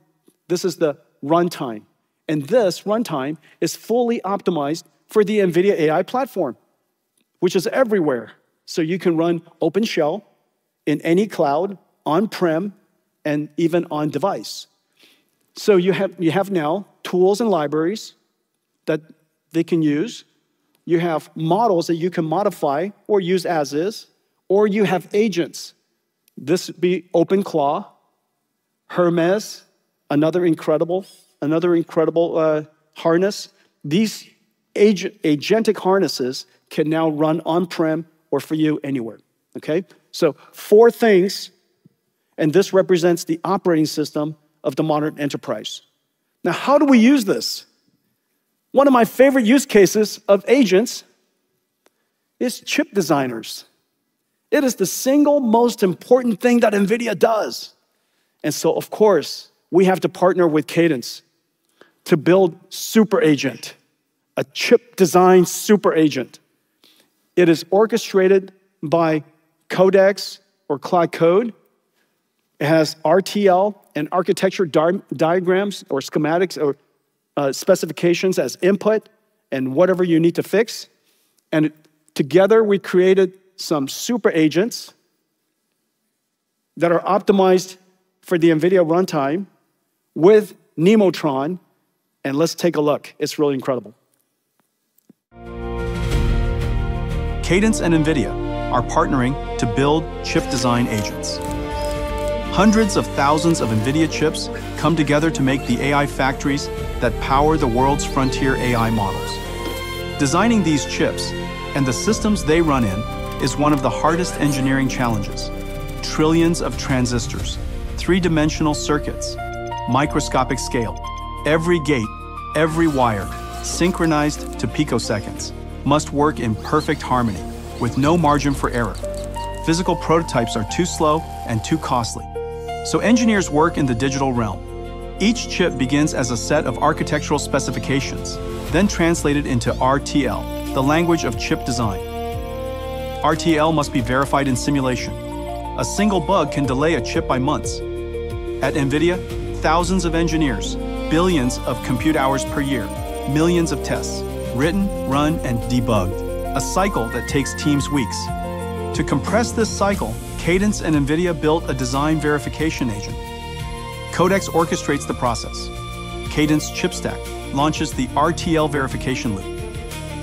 This is the runtime. This runtime is fully optimized for the NVIDIA AI platform, which is everywhere. You can run OpenShell in any cloud, on-prem, and even on-device. You have now tools and libraries that they can use. You have models that you can modify or use as is, or you have agents. This would be OpenClaw, Hermes, another incredible harness. These agentic harnesses can now run on-prem or for you anywhere. Okay. Four things, and this represents the operating system of the modern enterprise. How do we use this? One of my favorite use cases of agents is chip designers. It is the single most important thing that NVIDIA does. Of course, we have to partner with Cadence to build Super Agent, a chip design super agent. It is orchestrated by Codex or Claude Code. It has RTL and architecture diagrams or schematics or specifications as input and whatever you need to fix. Together, we created some super agents that are optimized for the NVIDIA runtime with Nemotron, and let's take a look. It is really incredible.
Cadence and NVIDIA are partnering to build chip design agents. Hundreds of thousands of NVIDIA chips come together to make the AI factories that power the world's frontier AI models. Designing these chips and the systems they run in is one of the hardest engineering challenges. Trillions of transistors, three-dimensional circuits, microscopic scale. Every gate, every wire, synchronized to picoseconds, must work in perfect harmony with no margin for error. Physical prototypes are too slow and too costly, so engineers work in the digital realm. Each chip begins as a set of architectural specifications, then translated into RTL, the language of chip design. RTL must be verified in simulation. A single bug can delay a chip by months. At NVIDIA, thousands of engineers, billions of compute hours per year, millions of tests written, run, and debugged. A cycle that takes teams weeks. To compress this cycle, Cadence and NVIDIA built a design verification agent. Codex orchestrates the process. Cadence ChipStack launches the RTL verification loop,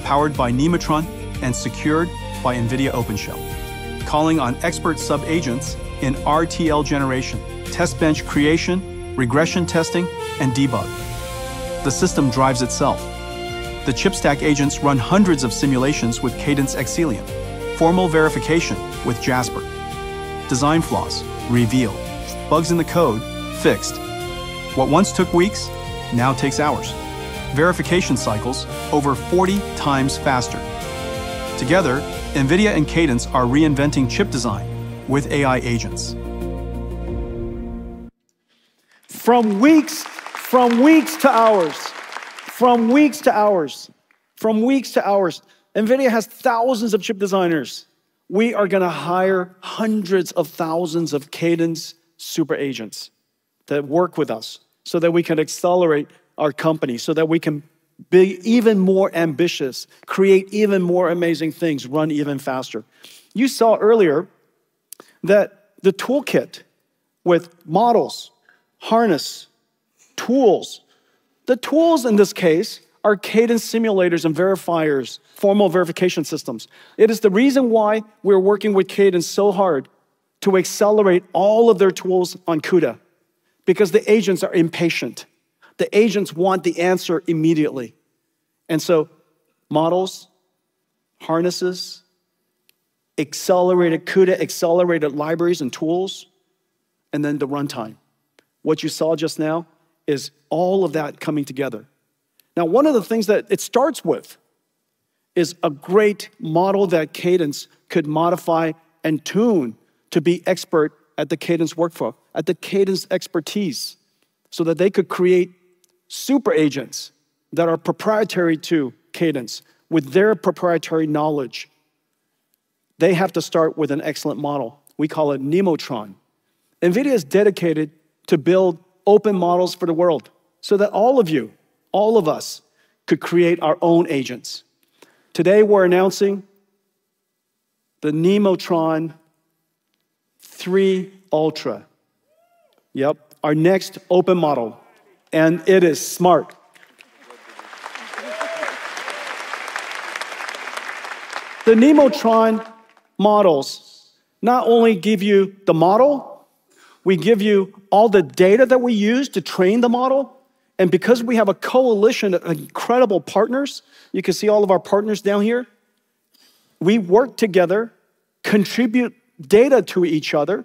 powered by Nemotron and secured by NVIDIA OpenShell, calling on expert sub-agents in RTL generation, test bench creation, regression testing, and debug. The system drives itself. The ChipStack agents run hundreds of simulations with Cadence Xcelium, formal verification with Jasper. Design flaws revealed. Bugs in the code fixed. What once took weeks now takes hours. Verification cycles over 40x faster. Together, NVIDIA and Cadence are reinventing chip design with AI agents.
From weeks to hours. NVIDIA has thousands of chip designers. We are going to hire hundreds of thousands of Cadence super agents that work with us so that we can accelerate our company, so that we can be even more ambitious, create even more amazing things, run even faster. You saw earlier that the toolkit with models, harness, tools. The tools in this case are Cadence simulators and verifiers, formal verification systems. It is the reason why we're working with Cadence so hard to accelerate all of their tools on CUDA. Because the agents are impatient. The agents want the answer immediately. Models, harnesses, accelerated CUDA, accelerated libraries and tools, and then the runtime. What you saw just now is all of that coming together. Now, one of the things that it starts with is a great model that Cadence could modify and tune to be expert at the Cadence workflow, at the Cadence expertise, so that they could create super agents that are proprietary to Cadence with their proprietary knowledge. They have to start with an excellent model. We call it Nemotron. NVIDIA is dedicated to build open models for the world so that all of you, all of us, could create our own agents. Today, we're announcing the Nemotron 3 Ultra. Yep. Our next open model, and it is smart. The Nemotron models not only give you the model, we give you all the data that we use to train the model, and because we have a coalition of incredible partners, you can see all of our partners down here, we work together, contribute data to each other.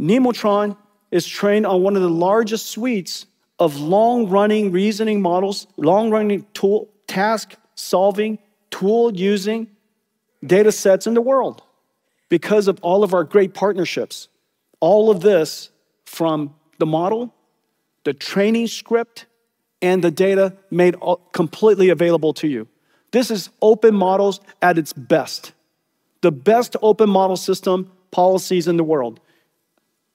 Nemotron is trained on one of the largest suites of long-running reasoning models, long-running tool task-solving, tool-using data sets in the world because of all of our great partnerships. All of this from the model, the training script, and the data made completely available to you. This is open models at its best, the best open model system policies in the world.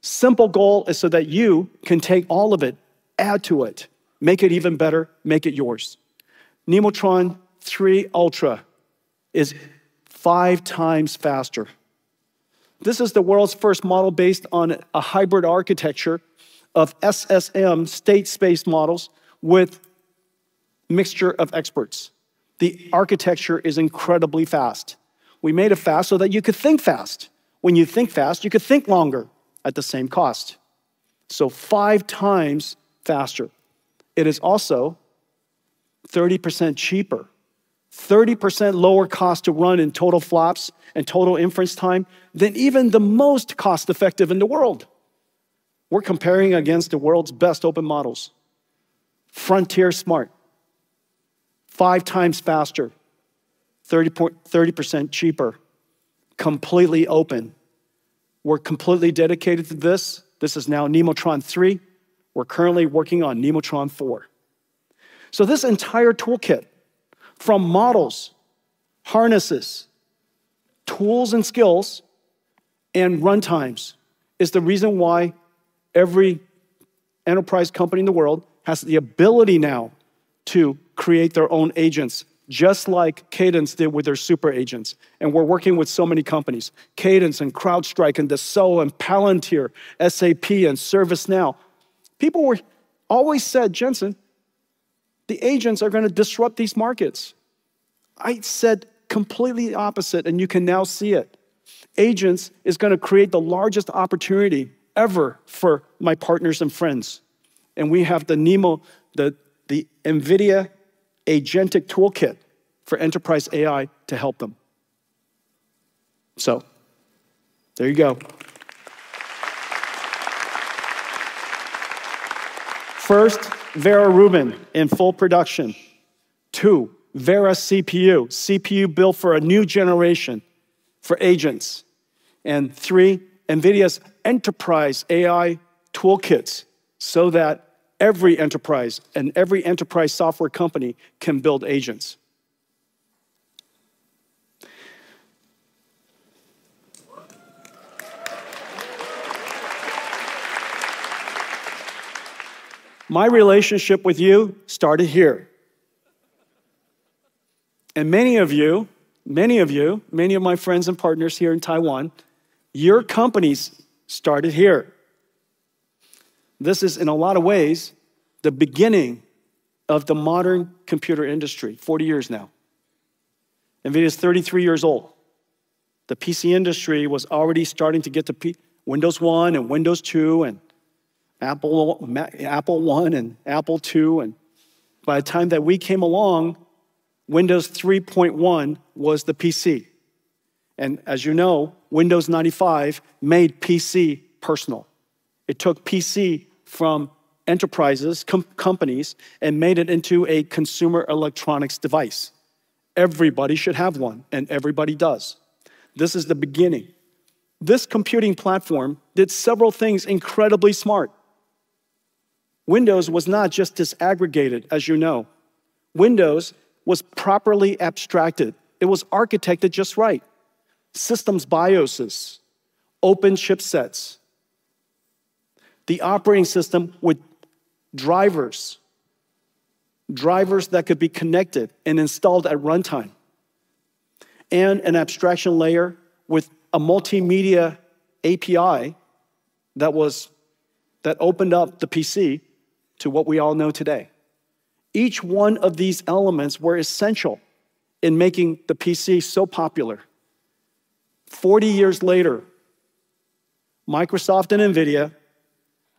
Simple goal is that you can take all of it, add to it, make it even better, make it yours. Nemotron 3 Ultra is 5x faster. This is the world's first model based on a hybrid architecture of SSM, state-space models, with Mixture of Experts. The architecture is incredibly fast. We made it fast that you could think fast. When you think fast, you could think longer at the same cost. 5x faster. It is also 30% cheaper, 30% lower cost to run in total FLOPS and total inference time than even the most cost-effective in the world. We're comparing against the world's best open models. Frontier smart, 5x faster, 30% cheaper, completely open. We're completely dedicated to this. This is now Nemotron 3. We're currently working on Nemotron-4. This entire toolkit from models, harnesses, tools and skills, and runtimes is the reason why every enterprise company in the world has the ability now to create their own agents, just like Cadence did with their super agents. We're working with so many companies, Cadence and CrowdStrike and Dassault and Palantir, SAP and ServiceNow. People always said, "Jensen, the agents are going to disrupt these markets." I said completely opposite, and you can now see it. Agents is going to create the largest opportunity ever for my partners and friends. We have the NeMo, the NVIDIA agentic toolkit for enterprise AI to help them. There you go. First, Vera Rubin in full production. Two, Vera CPU built for a new generation for agents. Three, NVIDIA's enterprise AI toolkits, so that every enterprise and every enterprise software company can build agents. My relationship with you started here. Many of you, many of my friends and partners here in Taiwan, your companies started here. This is in a lot of ways, the beginning of the modern computer industry, 40 years now. NVIDIA's 33 years old. The PC industry was already starting to get to Windows 1 and Windows 2 and Apple 1 and Apple 2. By the time that we came along, Windows 3.1 was the PC. As you know, Windows 95 made PC personal. It took PC from enterprises, companies, and made it into a consumer electronics device. Everybody should have one, and everybody does. This is the beginning. This computing platform did several things incredibly smart. Windows was not just disaggregated, as you know. Windows was properly abstracted. It was architected just right. Systems BIOSes, open chipsets, the operating system with drivers that could be connected and installed at runtime, and an abstraction layer with a multimedia API that opened up the PC to what we all know today. Each one of these elements were essential in making the PC so popular. 40 years later, Microsoft and NVIDIA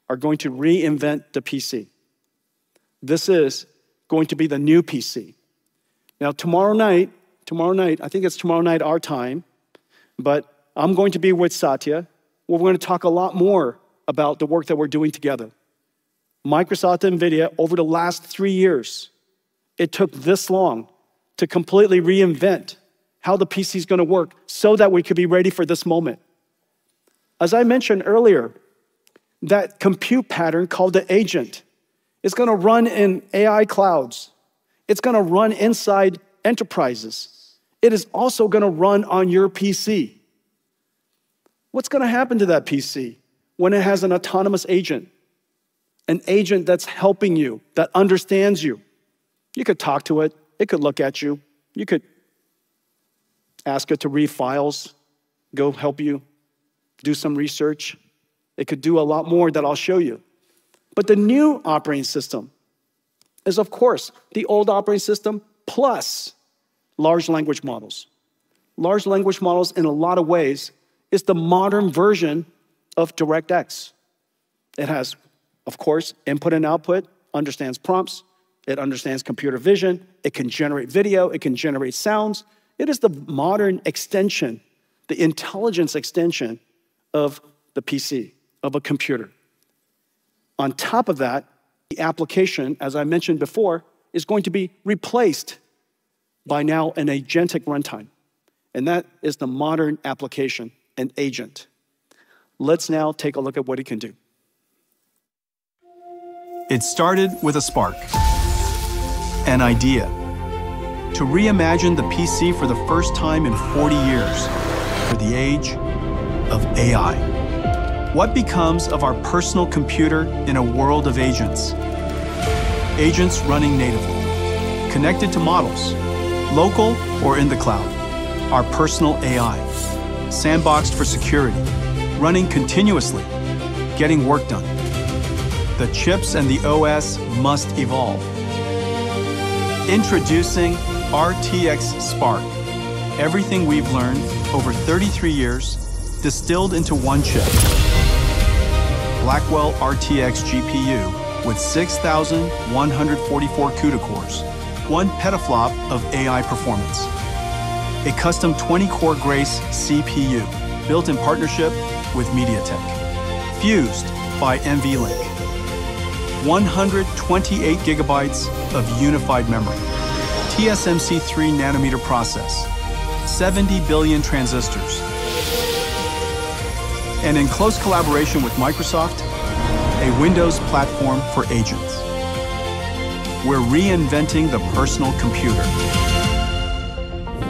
are going to reinvent the PC. This is going to be the new PC. Tomorrow night, I think it's tomorrow night our time, but I'm going to be with Satya, where we're going to talk a lot more about the work that we're doing together. Microsoft and NVIDIA, over the last three years, it took this long to completely reinvent how the PC's going to work so that we could be ready for this moment. As I mentioned earlier, that compute pattern called the agent is going to run in AI clouds. It's going to run inside enterprises. It is also going to run on your PC. What's going to happen to that PC when it has an autonomous agent? An agent that's helping you, that understands you. You could talk to it. It could look at you. You could ask it to read files, go help you do some research. It could do a lot more that I'll show you. The new operating system is, of course, the old operating system plus large language models. Large language models in a lot of ways is the modern version of DirectX. It has, of course, input and output, understands prompts, it understands computer vision, it can generate video, it can generate sounds. It is the modern extension, the intelligence extension of the PC, of a computer. On top of that, the application, as I mentioned before, is going to be replaced by now an agentic runtime, and that is the modern application, an agent. Let's now take a look at what it can do.
It started with a spark. An idea to reimagine the PC for the first time in 40 years for the age of AI. What becomes of our personal computer in a world of agents? Agents running natively, connected to models, local or in the cloud. Our personal AI, sandboxed for security, running continuously, getting work done. The chips and the OS must evolve. Introducing RTX Spark. Everything we've learned over 33 years distilled into one chip. Blackwell RTX GPU with 6,144 CUDA cores, one petaflop of AI performance. A custom 20-core Grace CPU built in partnership with MediaTek, fused by NVLink. 128 GB of unified memory. TSMC 3nm process. 70 billion transistors. In close collaboration with Microsoft, a Windows platform for agents. We're reinventing the personal computer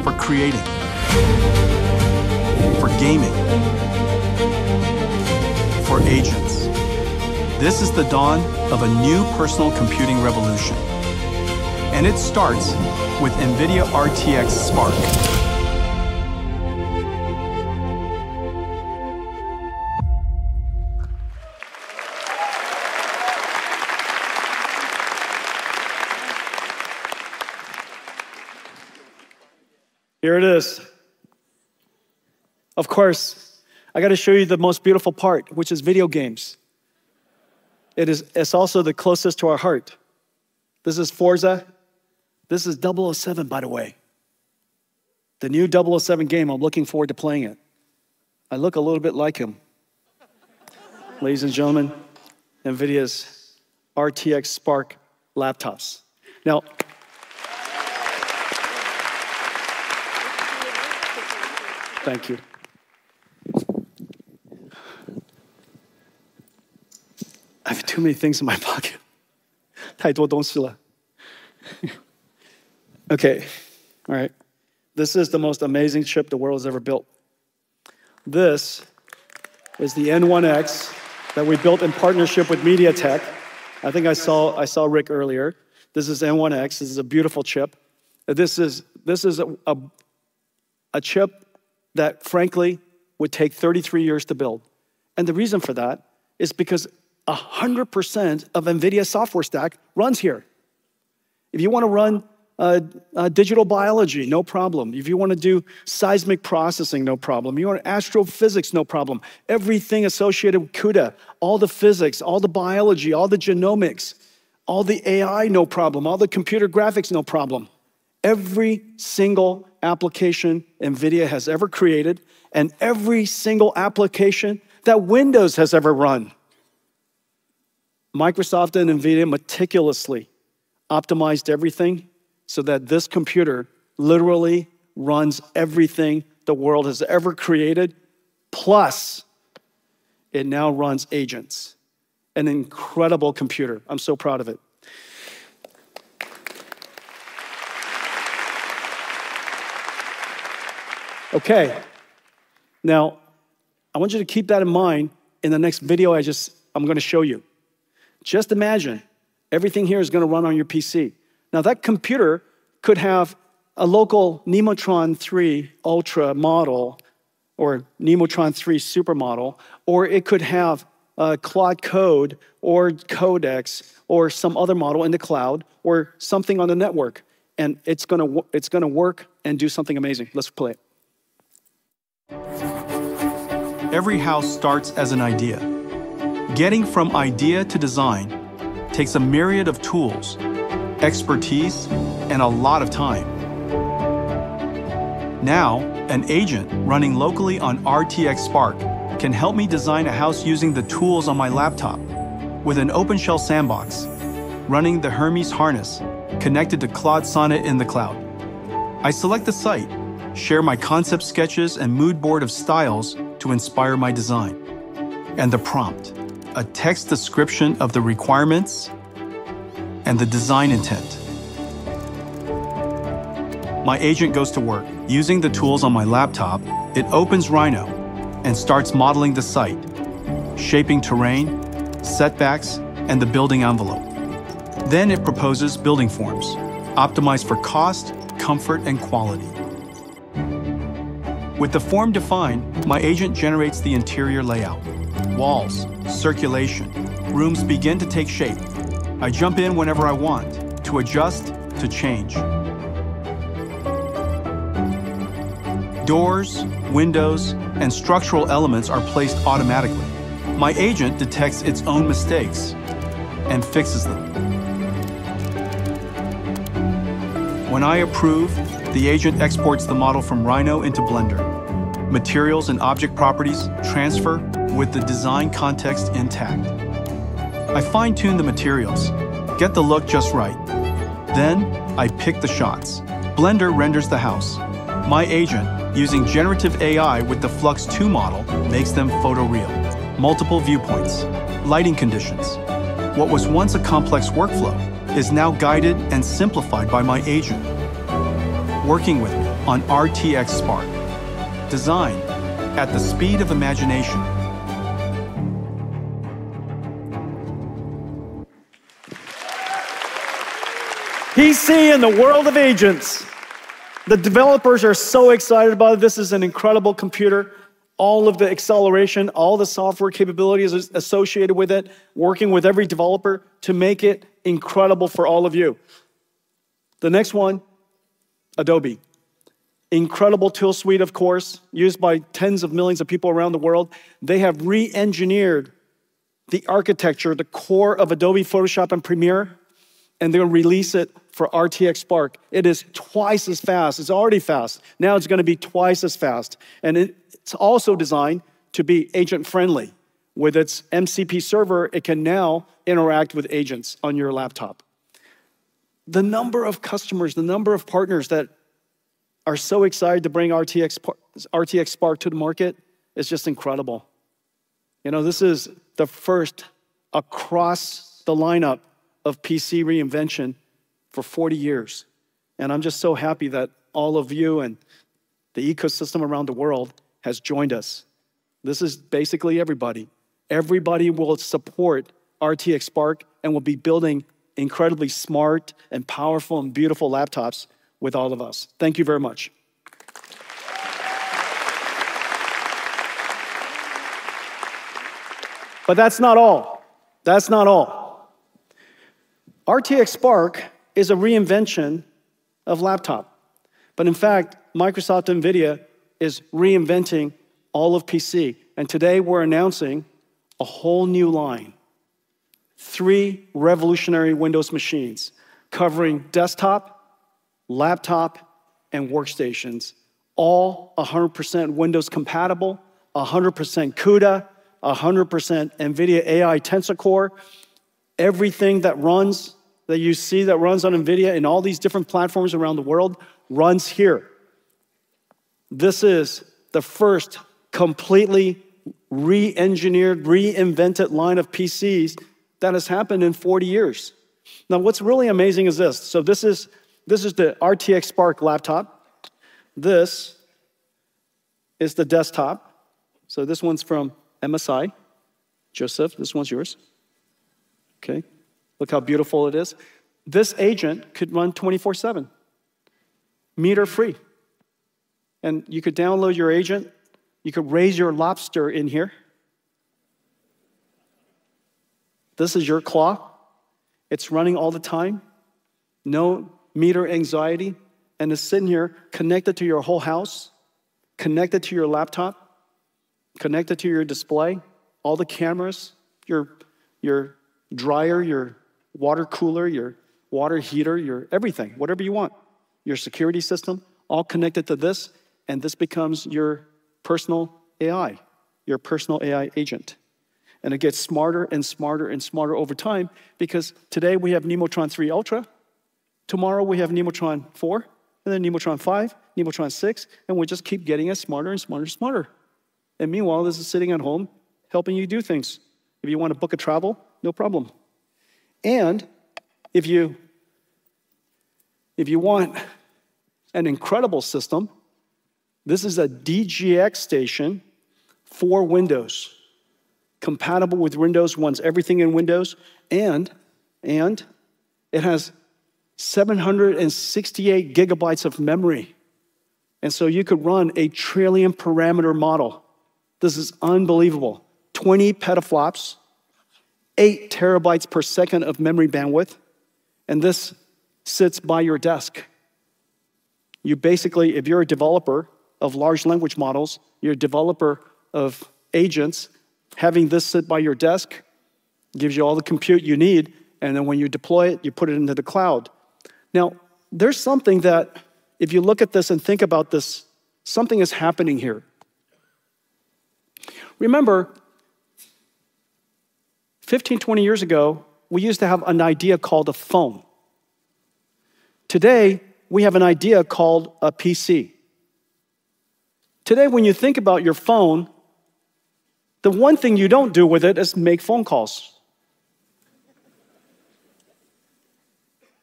for creating, for gaming, for agents. This is the dawn of a new personal computing revolution, and it starts with NVIDIA RTX Spark.
Here it is. Of course, I got to show you the most beautiful part, which is video games. It's also the closest to our heart. This is Forza. This is 007, by the way. The new 007 game. I'm looking forward to playing it. I look a little bit like him. Ladies and gentlemen, NVIDIA's RTX Spark laptops. I have too many things in my pocket. Okay. All right. This is the most amazing chip the world's ever built. This is the N1X that we built in partnership with MediaTek. I think I saw Rick earlier. This is N1X. This is a beautiful chip. This is a chip that, frankly, would take 33 years to build. The reason for that is because 100% of NVIDIA software stack runs here. If you want to run digital biology, no problem. If you want to do seismic processing, no problem. You want astrophysics, no problem. Everything associated with CUDA, all the physics, all the biology, all the genomics, all the AI, no problem. All the computer graphics, no problem. Every single application NVIDIA has ever created and every single application that Windows has ever run. Microsoft and NVIDIA meticulously optimized everything so that this computer literally runs everything the world has ever created. Plus, it now runs agents. An incredible computer. I'm so proud of it. Now, I want you to keep that in mind in the next video I'm going to show you. Just imagine everything here is going to run on your PC. That computer could have a local Nemotron 3 Ultra model or Nemotron 3 Super model, or it could have a Claude Code or Codex or some other model in the cloud, or something on the network, and it's going to work and do something amazing. Let's play it.
Every house starts as an idea. Getting from idea to design takes a myriad of tools, expertise, and a lot of time. Now, an agent running locally on RTX Spark can help me design a house using the tools on my laptop with an OpenShell sandbox running the Hermes harness connected to Claude Sonnet in the cloud. I select the site, share my concept sketches and mood board of styles to inspire my design, and the prompt, a text description of the requirements and the design intent. My agent goes to work. Using the tools on my laptop, it opens Rhino and starts modeling the site, shaping terrain, setbacks, and the building envelope. It proposes building forms optimized for cost, comfort, and quality. With the form defined, my agent generates the interior layout. Walls, circulation, rooms begin to take shape. I jump in whenever I want to adjust, to change. Doors, windows, and structural elements are placed automatically. My agent detects its own mistakes and fixes them. When I approve, the agent exports the model from Rhino into Blender. Materials and object properties transfer with the design context intact. I fine-tune the materials, get the look just right. I pick the shots. Blender renders the house. My agent, using generative AI with the Flux.2 model, makes them photoreal. Multiple viewpoints, lighting conditions. What was once a complex workflow is now guided and simplified by my agent. Working with me on RTX Spark. Design at the speed of imagination.
PC in the world of agents. The developers are so excited about it. This is an incredible computer. All of the acceleration, all the software capabilities associated with it, working with every developer to make it incredible for all of you. The next one, Adobe. Incredible tool suite, of course, used by tens of millions of people around the world. They have re-engineered the architecture, the core of Adobe Photoshop and Premiere. They'll release it for RTX Spark. It is twice as fast. It's already fast. Now it's going to be twice as fast. It's also designed to be agent-friendly. With its MCP server, it can now interact with agents on your laptop. The number of customers, the number of partners that are so excited to bring RTX Spark to the market is just incredible. This is the first across the lineup of PC reinvention for 40 years. I'm just so happy that all of you and the ecosystem around the world has joined us. This is basically everybody. Everybody will support RTX Spark and will be building incredibly smart and powerful and beautiful laptops with all of us. Thank you very much. That's not all. That's not all. RTX Spark is a reinvention of laptop. In fact, Microsoft NVIDIA is reinventing all of PC, and today we're announcing a whole new line. Three revolutionary Windows machines covering desktop, laptop, and workstations. All 100% Windows compatible, 100% CUDA, 100% NVIDIA AI Tensor Core. Everything that you see that runs on NVIDIA in all these different platforms around the world runs here. This is the first completely re-engineered, reinvented line of PCs that has happened in 40 years. What's really amazing is this. This is the RTX Spark laptop. This is the desktop. This one's from MSI. Joseph, this one's yours. Okay. Look how beautiful it is. This agent could run 24/7, meter-free. You could download your agent. You could raise your lobster in here. This is your claw. It is running all the time, no meter anxiety, and it is sitting here connected to your whole house, connected to your laptop, connected to your display, all the cameras, your dryer, your water cooler, your water heater, your everything, whatever you want. Your security system, all connected to this, and this becomes your personal AI, your personal AI agent. It gets smarter and smarter and smarter over time because today we have Nemotron 3 Ultra, tomorrow we have Nemotron 4, and then Nemotron 5, Nemotron 6, and we just keep getting it smarter and smarter and smarter. Meanwhile, this is sitting at home helping you do things. If you want to book a travel, no problem. If you want an incredible system, this is a DGX Station for Windows, compatible with Windows, runs everything in Windows, and it has 768 gigabytes of memory. You could run a trillion-parameter model. This is unbelievable. 20 petaflops, 8 Tbps of memory bandwidth, and this sits by your desk. If you're a developer of large language models, you're a developer of agents, having this sit by your desk gives you all the compute you need, and then when you deploy it, you put it into the cloud. There's something that if you look at this and think about this, something is happening here. Remember, 15, 20 years ago, we used to have an idea called a phone. Today, we have an idea called a PC. Today, when you think about your phone, the one thing you don't do with it is make phone calls.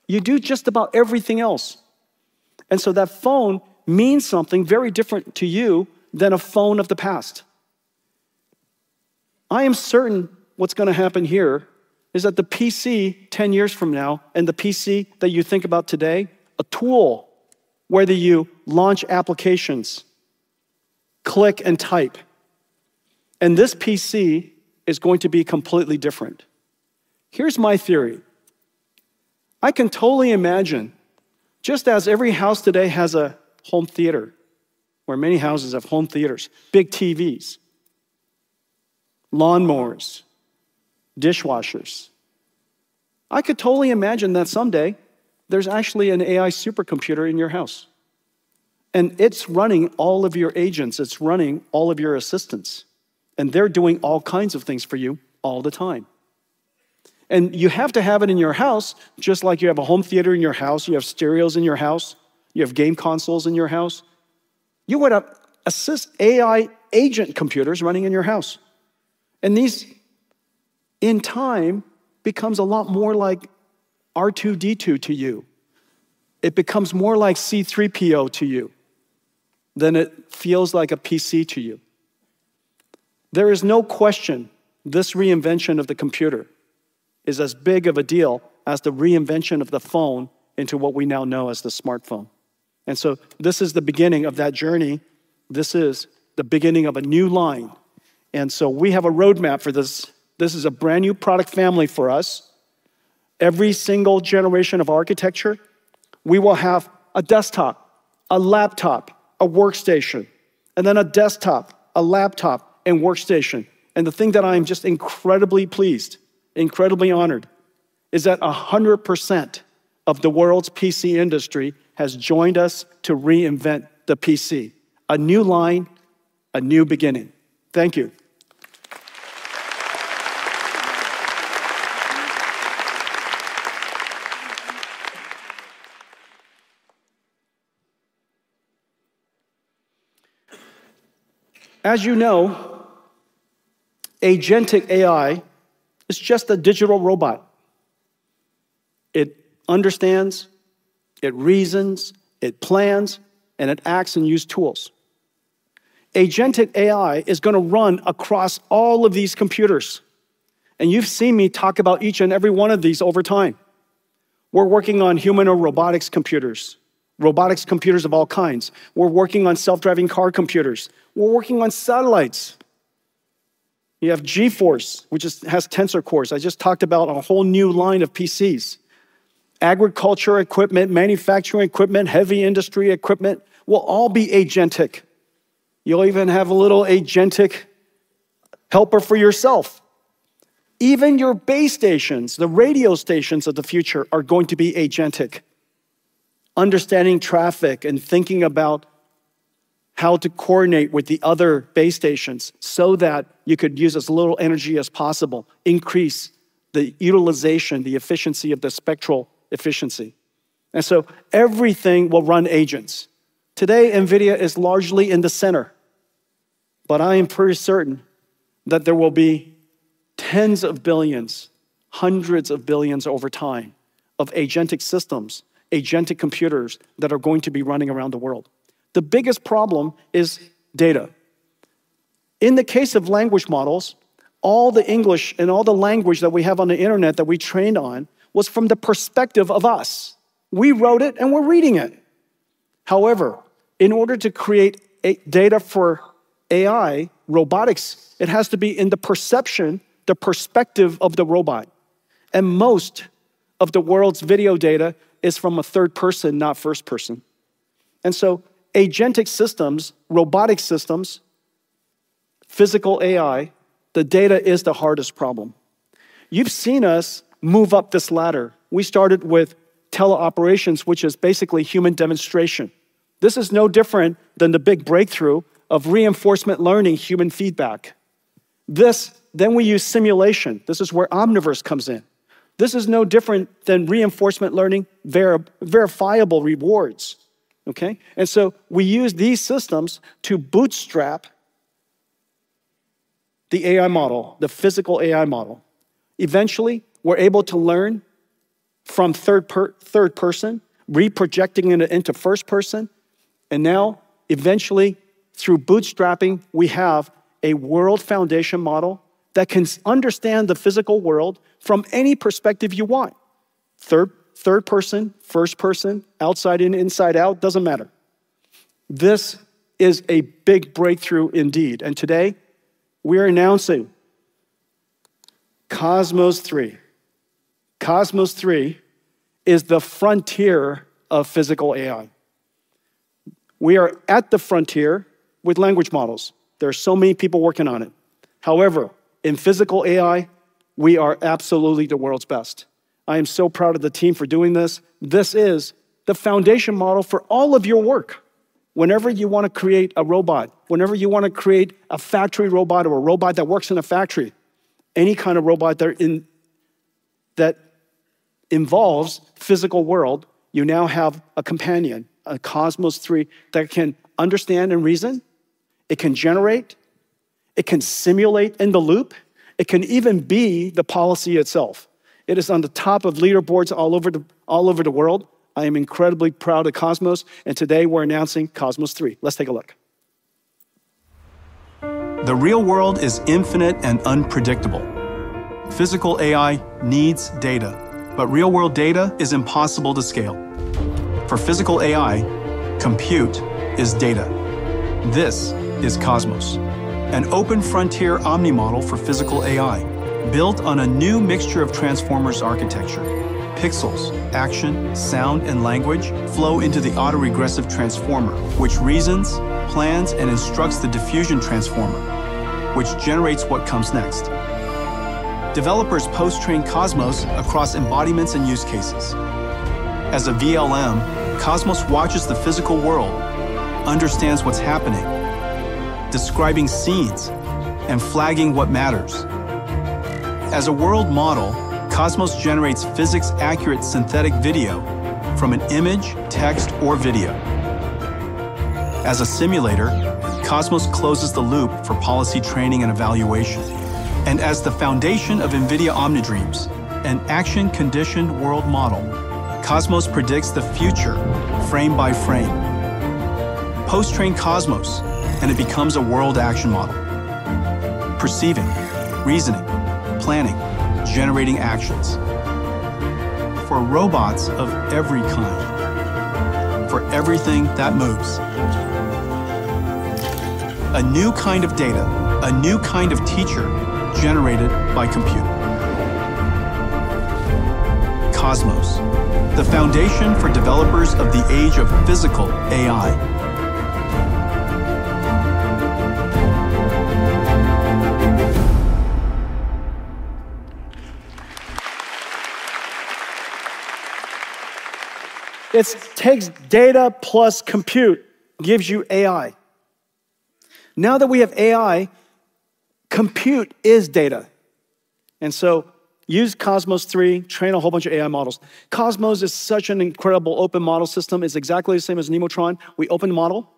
You do just about everything else. That phone means something very different to you than a phone of the past. I am certain what's going to happen here is that the PC 10 years from now and the PC that you think about today, a tool, whether you launch applications, click and type, and this PC is going to be completely different. Here's my theory. I can totally imagine, just as every house today has a home theater, or many houses have home theaters, big TVs, lawnmowers, dishwashers. I could totally imagine that someday there's actually an AI supercomputer in your house. It's running all of your agents, it's running all of your assistants, and they're doing all kinds of things for you all the time. You have to have it in your house, just like you have a home theater in your house, you have stereos in your house, you have game consoles in your house. You end up assist AI agent computers running in your house. These, in time, becomes a lot more like R2-D2 to you. It becomes more like C-3PO to you than it feels like a PC to you. There is no question this reinvention of the computer is as big of a deal as the reinvention of the phone into what we now know as the smartphone. This is the beginning of that journey. This is the beginning of a new line. We have a roadmap for this. This is a brand-new product family for us. Every single generation of architecture, we will have a desktop, a laptop, a workstation, and then a desktop, a laptop, and workstation. The thing that I am just incredibly pleased, incredibly honored, is that 100% of the world's PC industry has joined us to reinvent the PC. A new line, a new beginning. Thank you. As you know, agentic AI is just a digital robot. It understands, it reasons, it plans, and it acts and use tools. Agentic AI is going to run across all of these computers, and you've seen me talk about each and every one of these over time. We're working on human or robotics computers, robotics computers of all kinds. We're working on self-driving car computers. We're working on satellites. You have GeForce, which has tensor cores. I just talked about a whole new line of PCs. Agriculture equipment, manufacturing equipment, heavy industry equipment will all be agentic. You'll even have a little agentic helper for yourself. Even your base stations, the radio stations of the future are going to be agentic, understanding traffic and thinking about how to coordinate with the other base stations so that you could use as little energy as possible, increase the utilization, the efficiency of the spectral efficiency. Everything will run agents. Today, NVIDIA is largely in the center, but I am pretty certain that there will be tens of billions, hundreds of billions over time of agentic systems, agentic computers that are going to be running around the world. The biggest problem is data. In the case of language models, all the English and all the language that we have on the internet that we trained on was from the perspective of us. We wrote it and we're reading it. However, in order to create data for AI robotics, it has to be in the perception, the perspective of the robot. Most of the world's video data is from a third person, not first person. Agentic systems, robotic systems, physical AI, the data is the hardest problem. You've seen us move up this ladder. We started with teleoperations, which is basically human demonstration. This is no different than the big breakthrough of reinforcement learning human feedback. We use simulation. This is where Omniverse comes in. This is no different than reinforcement learning verifiable rewards. We use these systems to bootstrap the AI model, the physical AI model. Eventually, we're able to learn from third person, re-projecting it into first person, and now eventually, through bootstrapping, we have a world foundation model that can understand the physical world from any perspective you want. Third person, first person, outside in, inside out, doesn't matter. This is a big breakthrough indeed. Today, we're announcing Cosmos 3. Cosmos 3 is the frontier of physical AI. We are at the frontier with language models. There are so many people working on it. However, in physical AI, we are absolutely the world's best. I am so proud of the team for doing this. This is the foundation model for all of your work. Whenever you want to create a robot, whenever you want to create a factory robot or a robot that works in a factory, any kind of robot that involves physical world, you now have a companion, a Cosmos 3 that can understand and reason. It can generate. It can simulate in the loop. It can even be the policy itself. It is on the top of leaderboards all over the world. I am incredibly proud of Cosmos, and today we're announcing Cosmos 3. Let's take a look.
The real world is infinite and unpredictable. Physical AI needs data, but real-world data is impossible to scale. For physical AI, compute is data. This is Cosmos, an open frontier omni-modal for physical AI, built on a new mixture of transformers architecture. Pixels, action, sound, and language flow into the autoregressive transformer, which reasons, plans, and instructs the diffusion transformer, which generates what comes next. Developers post-train Cosmos across embodiments and use cases. As a VLM, Cosmos watches the physical world, understands what's happening, describing scenes, and flagging what matters. As a world model, Cosmos generates physics-accurate synthetic video from an image, text, or video. As a simulator, Cosmos closes the loop for policy training and evaluation. As the foundation of NVIDIA Omnidreams, an action-conditioned world model, Cosmos predicts the future frame by frame. Post-train Cosmos, it becomes a world action model: perceiving, reasoning, planning, generating actions for robots of every kind, for everything that moves. A new kind of data, a new kind of teacher, generated by compute. Cosmos, the foundation for developers of the age of physical AI.
It takes data plus compute, gives you AI. Now that we have AI, compute is data. Use Cosmos 3, train a whole bunch of AI models. Cosmos is such an incredible open model system. It's exactly the same as Nemotron. We open the model,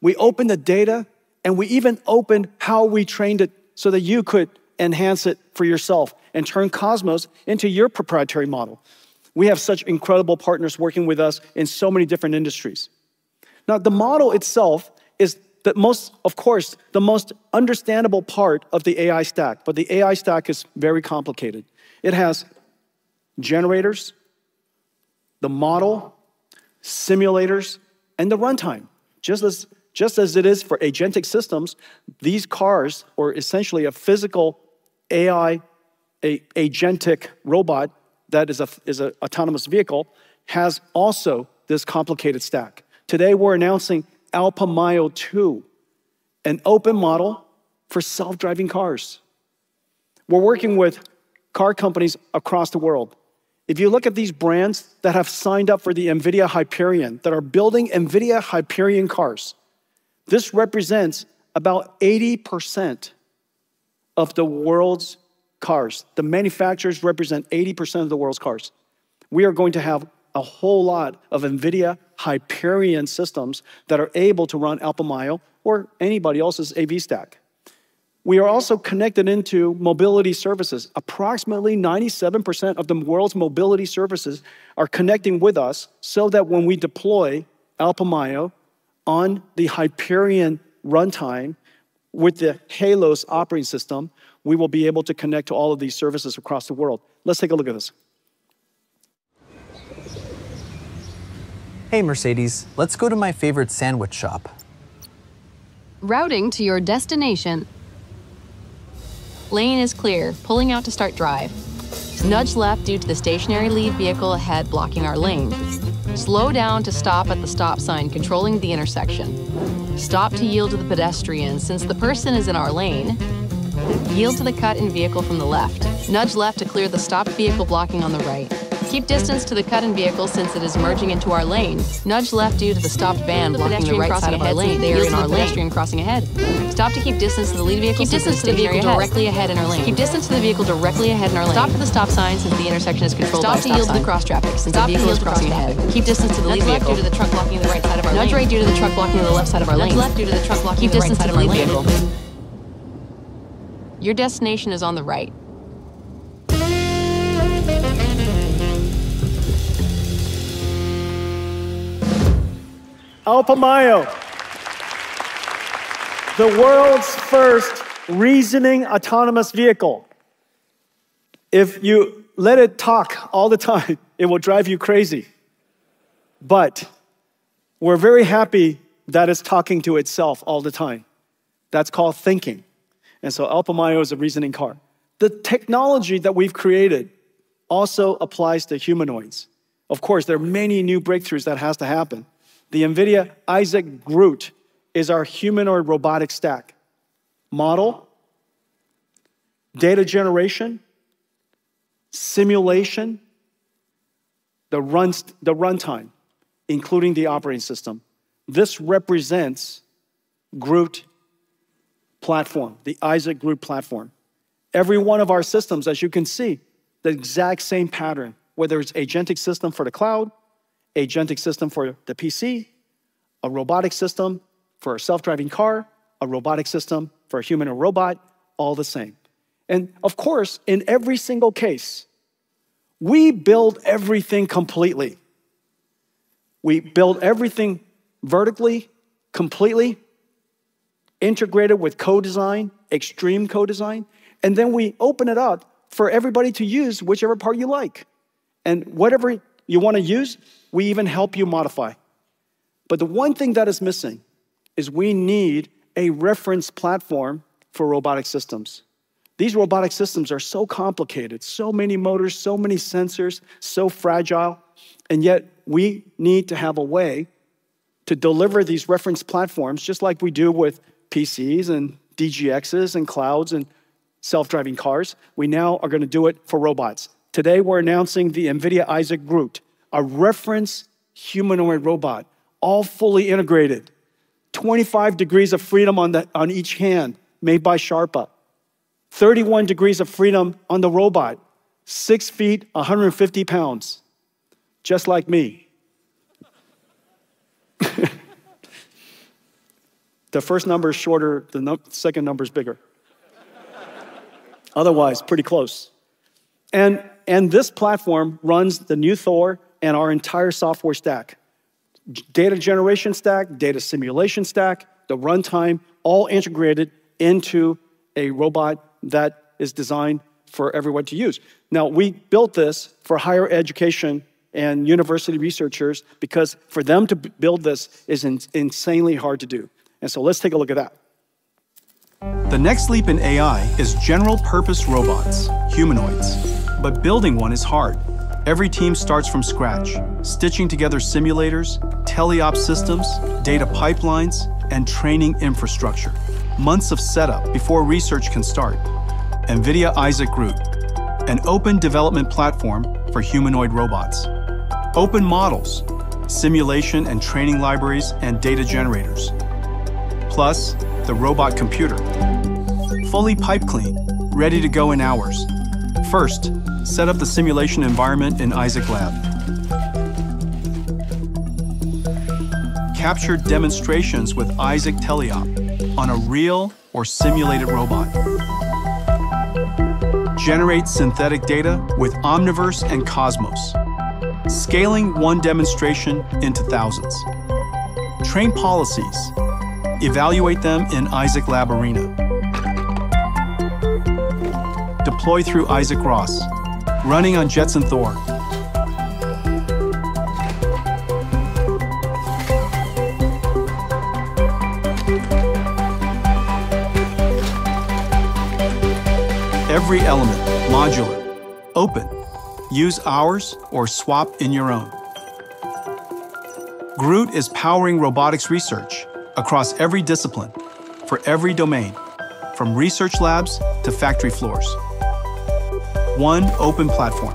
we open the data, and we even open how we trained it so that you could enhance it for yourself and turn Cosmos into your proprietary model. We have such incredible partners working with us in so many different industries. Now, the model itself is, of course, the most understandable part of the AI stack. The AI stack is very complicated. It has generators, the model, simulators, and the runtime. Just as it is for agentic systems, these cars, or essentially a physical AI, a agentic robot that is a autonomous vehicle, has also this complicated stack. Today, we're announcing Alpamayo 2, an open model for self-driving cars. We're working with car companies across the world. If you look at these brands that have signed up for the NVIDIA Hyperion, that are building NVIDIA Hyperion cars, this represents about 80% of the world's cars. The manufacturers represent 80% of the world's cars. We are going to have a whole lot of NVIDIA Hyperion systems that are able to run Alpamayo or anybody else's AV stack. We are also connected into mobility services. Approximately 97% of the world's mobility services are connecting with us so that when we deploy Alpamayo on the Hyperion runtime with the Halos operating system, we will be able to connect to all of these services across the world. Let's take a look at this.
Hey, Mercedes. Let's go to my favorite sandwich shop.
Routing to your destination. Lane is clear. Pulling out to start drive. Nudge left due to the stationary lead vehicle ahead blocking our lane. Slow down to stop at the stop sign controlling the intersection. Stop to yield to the pedestrians since the person is in our lane. Yield to the cut-in vehicle from the left. Nudge left to clear the stopped vehicle blocking on the right. Keep distance to the cut-in vehicle since it is merging into our lane. Nudge left due to the stopped van blocking the right side of our lane. (crosstalk) Stop to keep distance to the lead vehicle since it is stationary ahead. Keep distance to the vehicle directly ahead in our lane. Keep distance to the vehicle directly ahead in our lane. Stop for the stop sign since the intersection is controlled by a stop sign. Stop to yield to cross-traffic since a vehicle is crossing ahead. Keep distance to the lead vehicle. Nudge right due to the truck blocking the right side of our lane. Nudge right due to the truck blocking the left side of our lane. Nudge left due to the truck blocking the right side of our lane. Keep distance to the lead vehicle. Your destination is on the right.
Alpamayo. The world's first reasoning autonomous vehicle. If you let it talk all the time, it will drive you crazy. We're very happy that it's talking to itself all the time. That's called thinking. Alpamayo is a reasoning car. The technology that we've created also applies to humanoids. Of course, there are many new breakthroughs that has to happen. The NVIDIA Isaac GR00T is our humanoid robotic stack. Model, data generation, simulation, the runtime, including the operating system. This represents GR00T platform, the Isaac GR00T platform. Every one of our systems, as you can see, the exact same pattern, whether it's agentic system for the cloud, Agentic system for the PC, a robotic system for a self-driving car, a robotic system for a human or robot, all the same. In every single case, we build everything completely. We build everything vertically, completely integrated with co-design, extreme co-design. Then we open it up for everybody to use whichever part you like. Whatever you want to use, we even help you modify. The one thing that is missing is we need a reference platform for robotic systems. These robotic systems are so complicated, so many motors, so many sensors, so fragile, and yet we need to have a way to deliver these reference platforms just like we do with PCs and DGXs and clouds and self-driving cars. We now are going to do it for robots. Today we're announcing the NVIDIA Isaac GR00T, a reference humanoid robot, all fully integrated, 25 degrees of freedom on each hand made by Sharpa. 31 degrees of freedom on the robot, 6 ft, 150 pounds, just like me. The first number is shorter, the second number is bigger. Otherwise, pretty close. This platform runs the new Thor and our entire software stack. Data generation stack, data simulation stack, the runtime, all integrated into a robot that is designed for everyone to use. We built this for higher education and university researchers because for them to build this is insanely hard to do. Let's take a look at that.
The next leap in AI is general-purpose robots, humanoids. Building one is hard. Every team starts from scratch, stitching together simulators, teleop systems, data pipelines, and training infrastructure. Months of setup before research can start. NVIDIA Isaac GR00T, an open development platform for humanoid robots. Open models, simulation and training libraries, and data generators. Plus the robot computer. Fully pipe clean, ready to go in hours. First, set up the simulation environment in Isaac Lab. Capture demonstrations with Isaac Teleop on a real or simulated robot. Generate synthetic data with Omniverse and Cosmos, scaling one demonstration into thousands. Train policies. Evaluate them in Isaac Lab Arena. Deploy through Isaac ROS, running on Jetson Thor. Every element, modular, open. Use ours or swap in your own. GR00T is powering robotics research across every discipline for every domain, from research labs to factory floors. One open platform.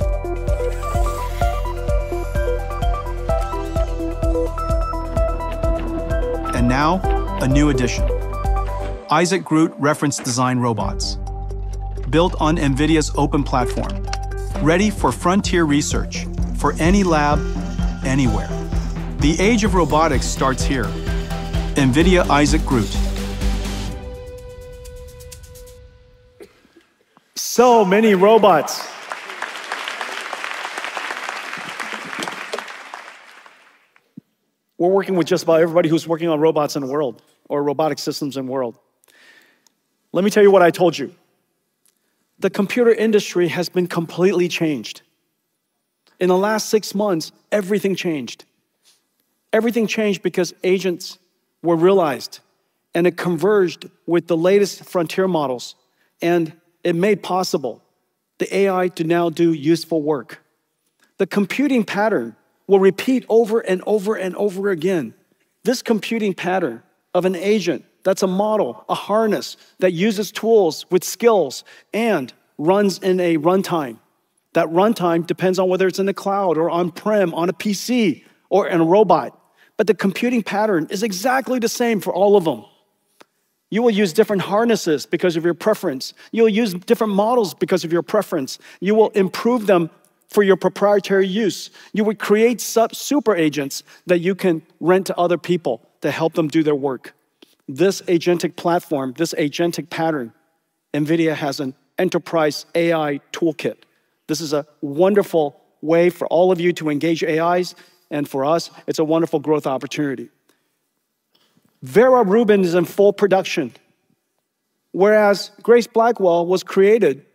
Now a new addition, Isaac GR00T reference design robots. Built on NVIDIA's open platform, ready for frontier research for any lab, anywhere. The age of robotics starts here. NVIDIA Isaac GR00T.
Many robots. We're working with just about everybody who's working on robots in the world or robotic systems in world. Let me tell you what I told you. The computer industry has been completely changed. In the last six months, everything changed. Everything changed because agents were realized, and it converged with the latest frontier models, and it made possible the AI to now do useful work. The computing pattern will repeat over and over again. This computing pattern of an agent that's a model, a harness that uses tools with skills and runs in a runtime, that runtime depends on whether it's in the cloud or on-prem, on a PC or in a robot. The computing pattern is exactly the same for all of them. You will use different harnesses because of your preference. You'll use different models because of your preference. You will improve them for your proprietary use. You would create super agents that you can rent to other people to help them do their work. This agentic platform, this agentic pattern, NVIDIA has an enterprise AI toolkit. This is a wonderful way for all of you to engage AIs, and for us, it's a wonderful growth opportunity. Vera Rubin is in full production. Whereas Grace Blackwell was created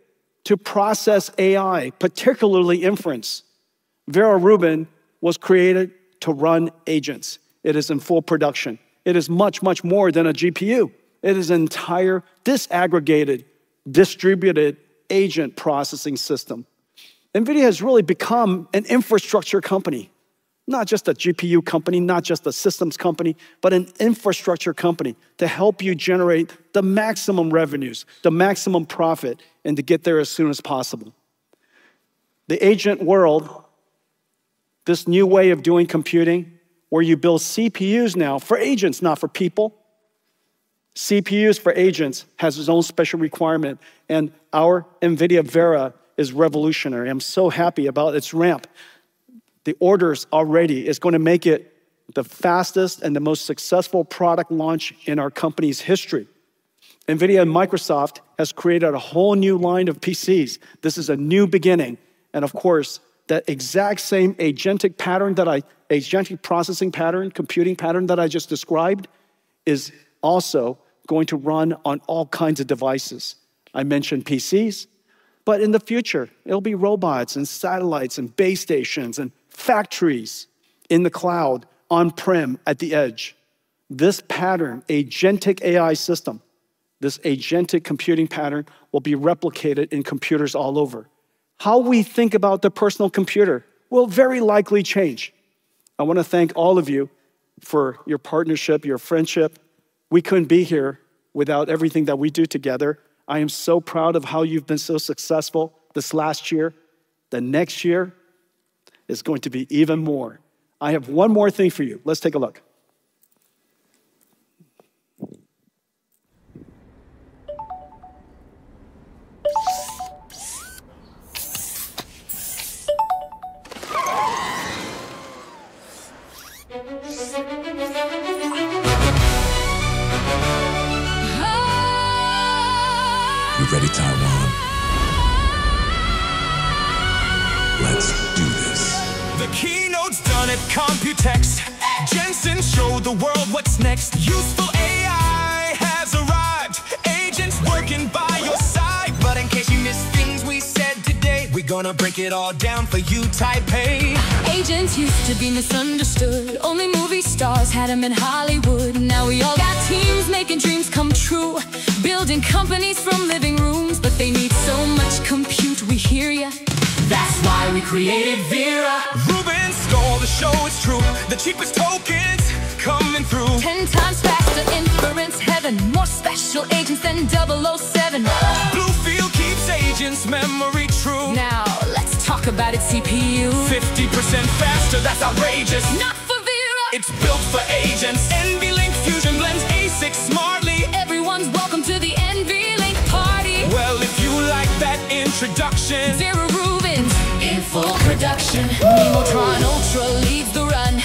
to process AI, particularly inference, Vera Rubin was created to run agents. It is in full production. It is much more than a GPU. It is an entire disaggregated, distributed agent processing system. NVIDIA has really become an infrastructure company, not just a GPU company, not just a systems company, but an infrastructure company to help you generate the maximum revenues, the maximum profit, and to get there as soon as possible. The agent world, this new way of doing computing, where you build CPUs now for agents, not for people. CPUs for agents has its own special requirement, and our NVIDIA Vera is revolutionary. I'm so happy about its ramp. The orders already is going to make it the fastest and the most successful product launch in our company's history. NVIDIA and Microsoft has created a whole new line of PCs. This is a new beginning. Of course, that exact same agentic processing pattern, computing pattern that I just described is also going to run on all kinds of devices. I mentioned PCs, in the future, it'll be robots and satellites and base stations and factories in the cloud, on-prem, at the edge. This pattern, agentic AI system, this agentic computing pattern, will be replicated in computers all over. How we think about the personal computer will very likely change. I want to thank all of you for your partnership, your friendship. We couldn't be here without everything that we do together. I am so proud of how you've been so successful this last year. The next year is going to be even more. I have one more thing for you. Let's take a look.
You ready, Taiwan? Let's do this. The keynote's done at Computex. Jensen showed the world what's next. Useful AI has arrived. Agents working by your side. In case you missed things we said today. We're gonna break it all down for you, Taipei. Agents used to be misunderstood. Only movie stars had them in Hollywood. Now we all got teams making dreams come true. Building companies from living rooms. They need so much compute, we hear you. That's why we created Vera. Rubin stole the show, it's true. The cheapest tokens coming through. 10x faster, inference heaven. More special agents than 007. BlueField keeps agents' memory true. Now, let's talk about its CPU. 50% faster, that's outrageous. Not for Vera. It's built for agents. NVLink Fusion blends ASICs smartly. Everyone's welcome to the NVLink party. Well, if you like that introduction. Vera Rubin's in full production. Nemotron Ultra leads the run.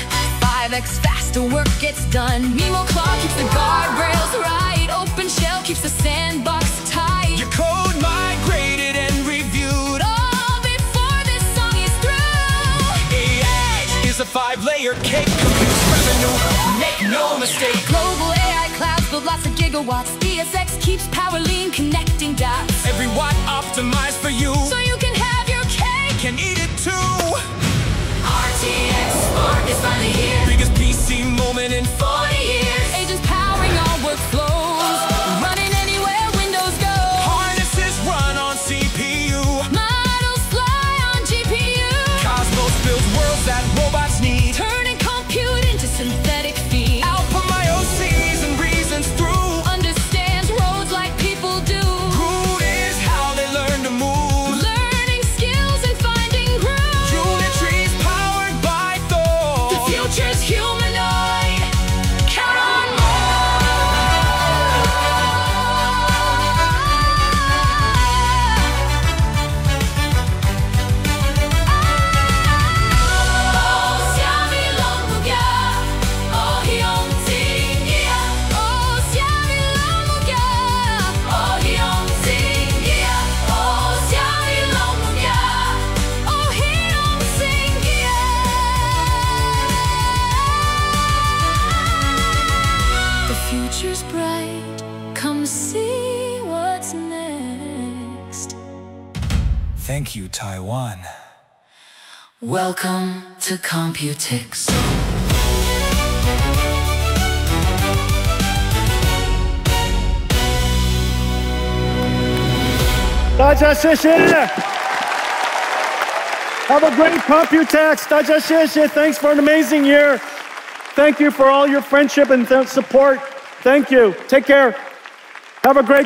5x faster, work gets done. NeMo Cloud keeps the guardrails right. OpenShell keeps the sandbox tight. Your code migrated and reviewed. All before this song is through. AI is a five-layer cake. Compute's revenue, make no mistake. Global AI clouds build lots of gigawatts. DSX keeps power lean, connecting dots. Every watt optimized for you. You can have your cake. Eat it, too. RTX 40 is finally here. Biggest PC moment in 40 years. For you. Agents powering all workflows. Running anywhere Windows goes. Harnesses run on CPU. Models fly on GPU. Cosmos builds worlds that robots need. Turning compute into synthetic feed. Alpamayo sees and reasons through. Understands roads like people do. GR00T is how they learn to move. Learning skills and finding groove. JuliUs is powered by Thor. The future's humanoid. Count on more. (audio distortion) The future's bright. Come see what's next. Thank you, Taiwan. Welcome to Computex.
Have a great Computex. Thanks for an amazing year. Thank you for all your friendship and support. Thank you. Take care.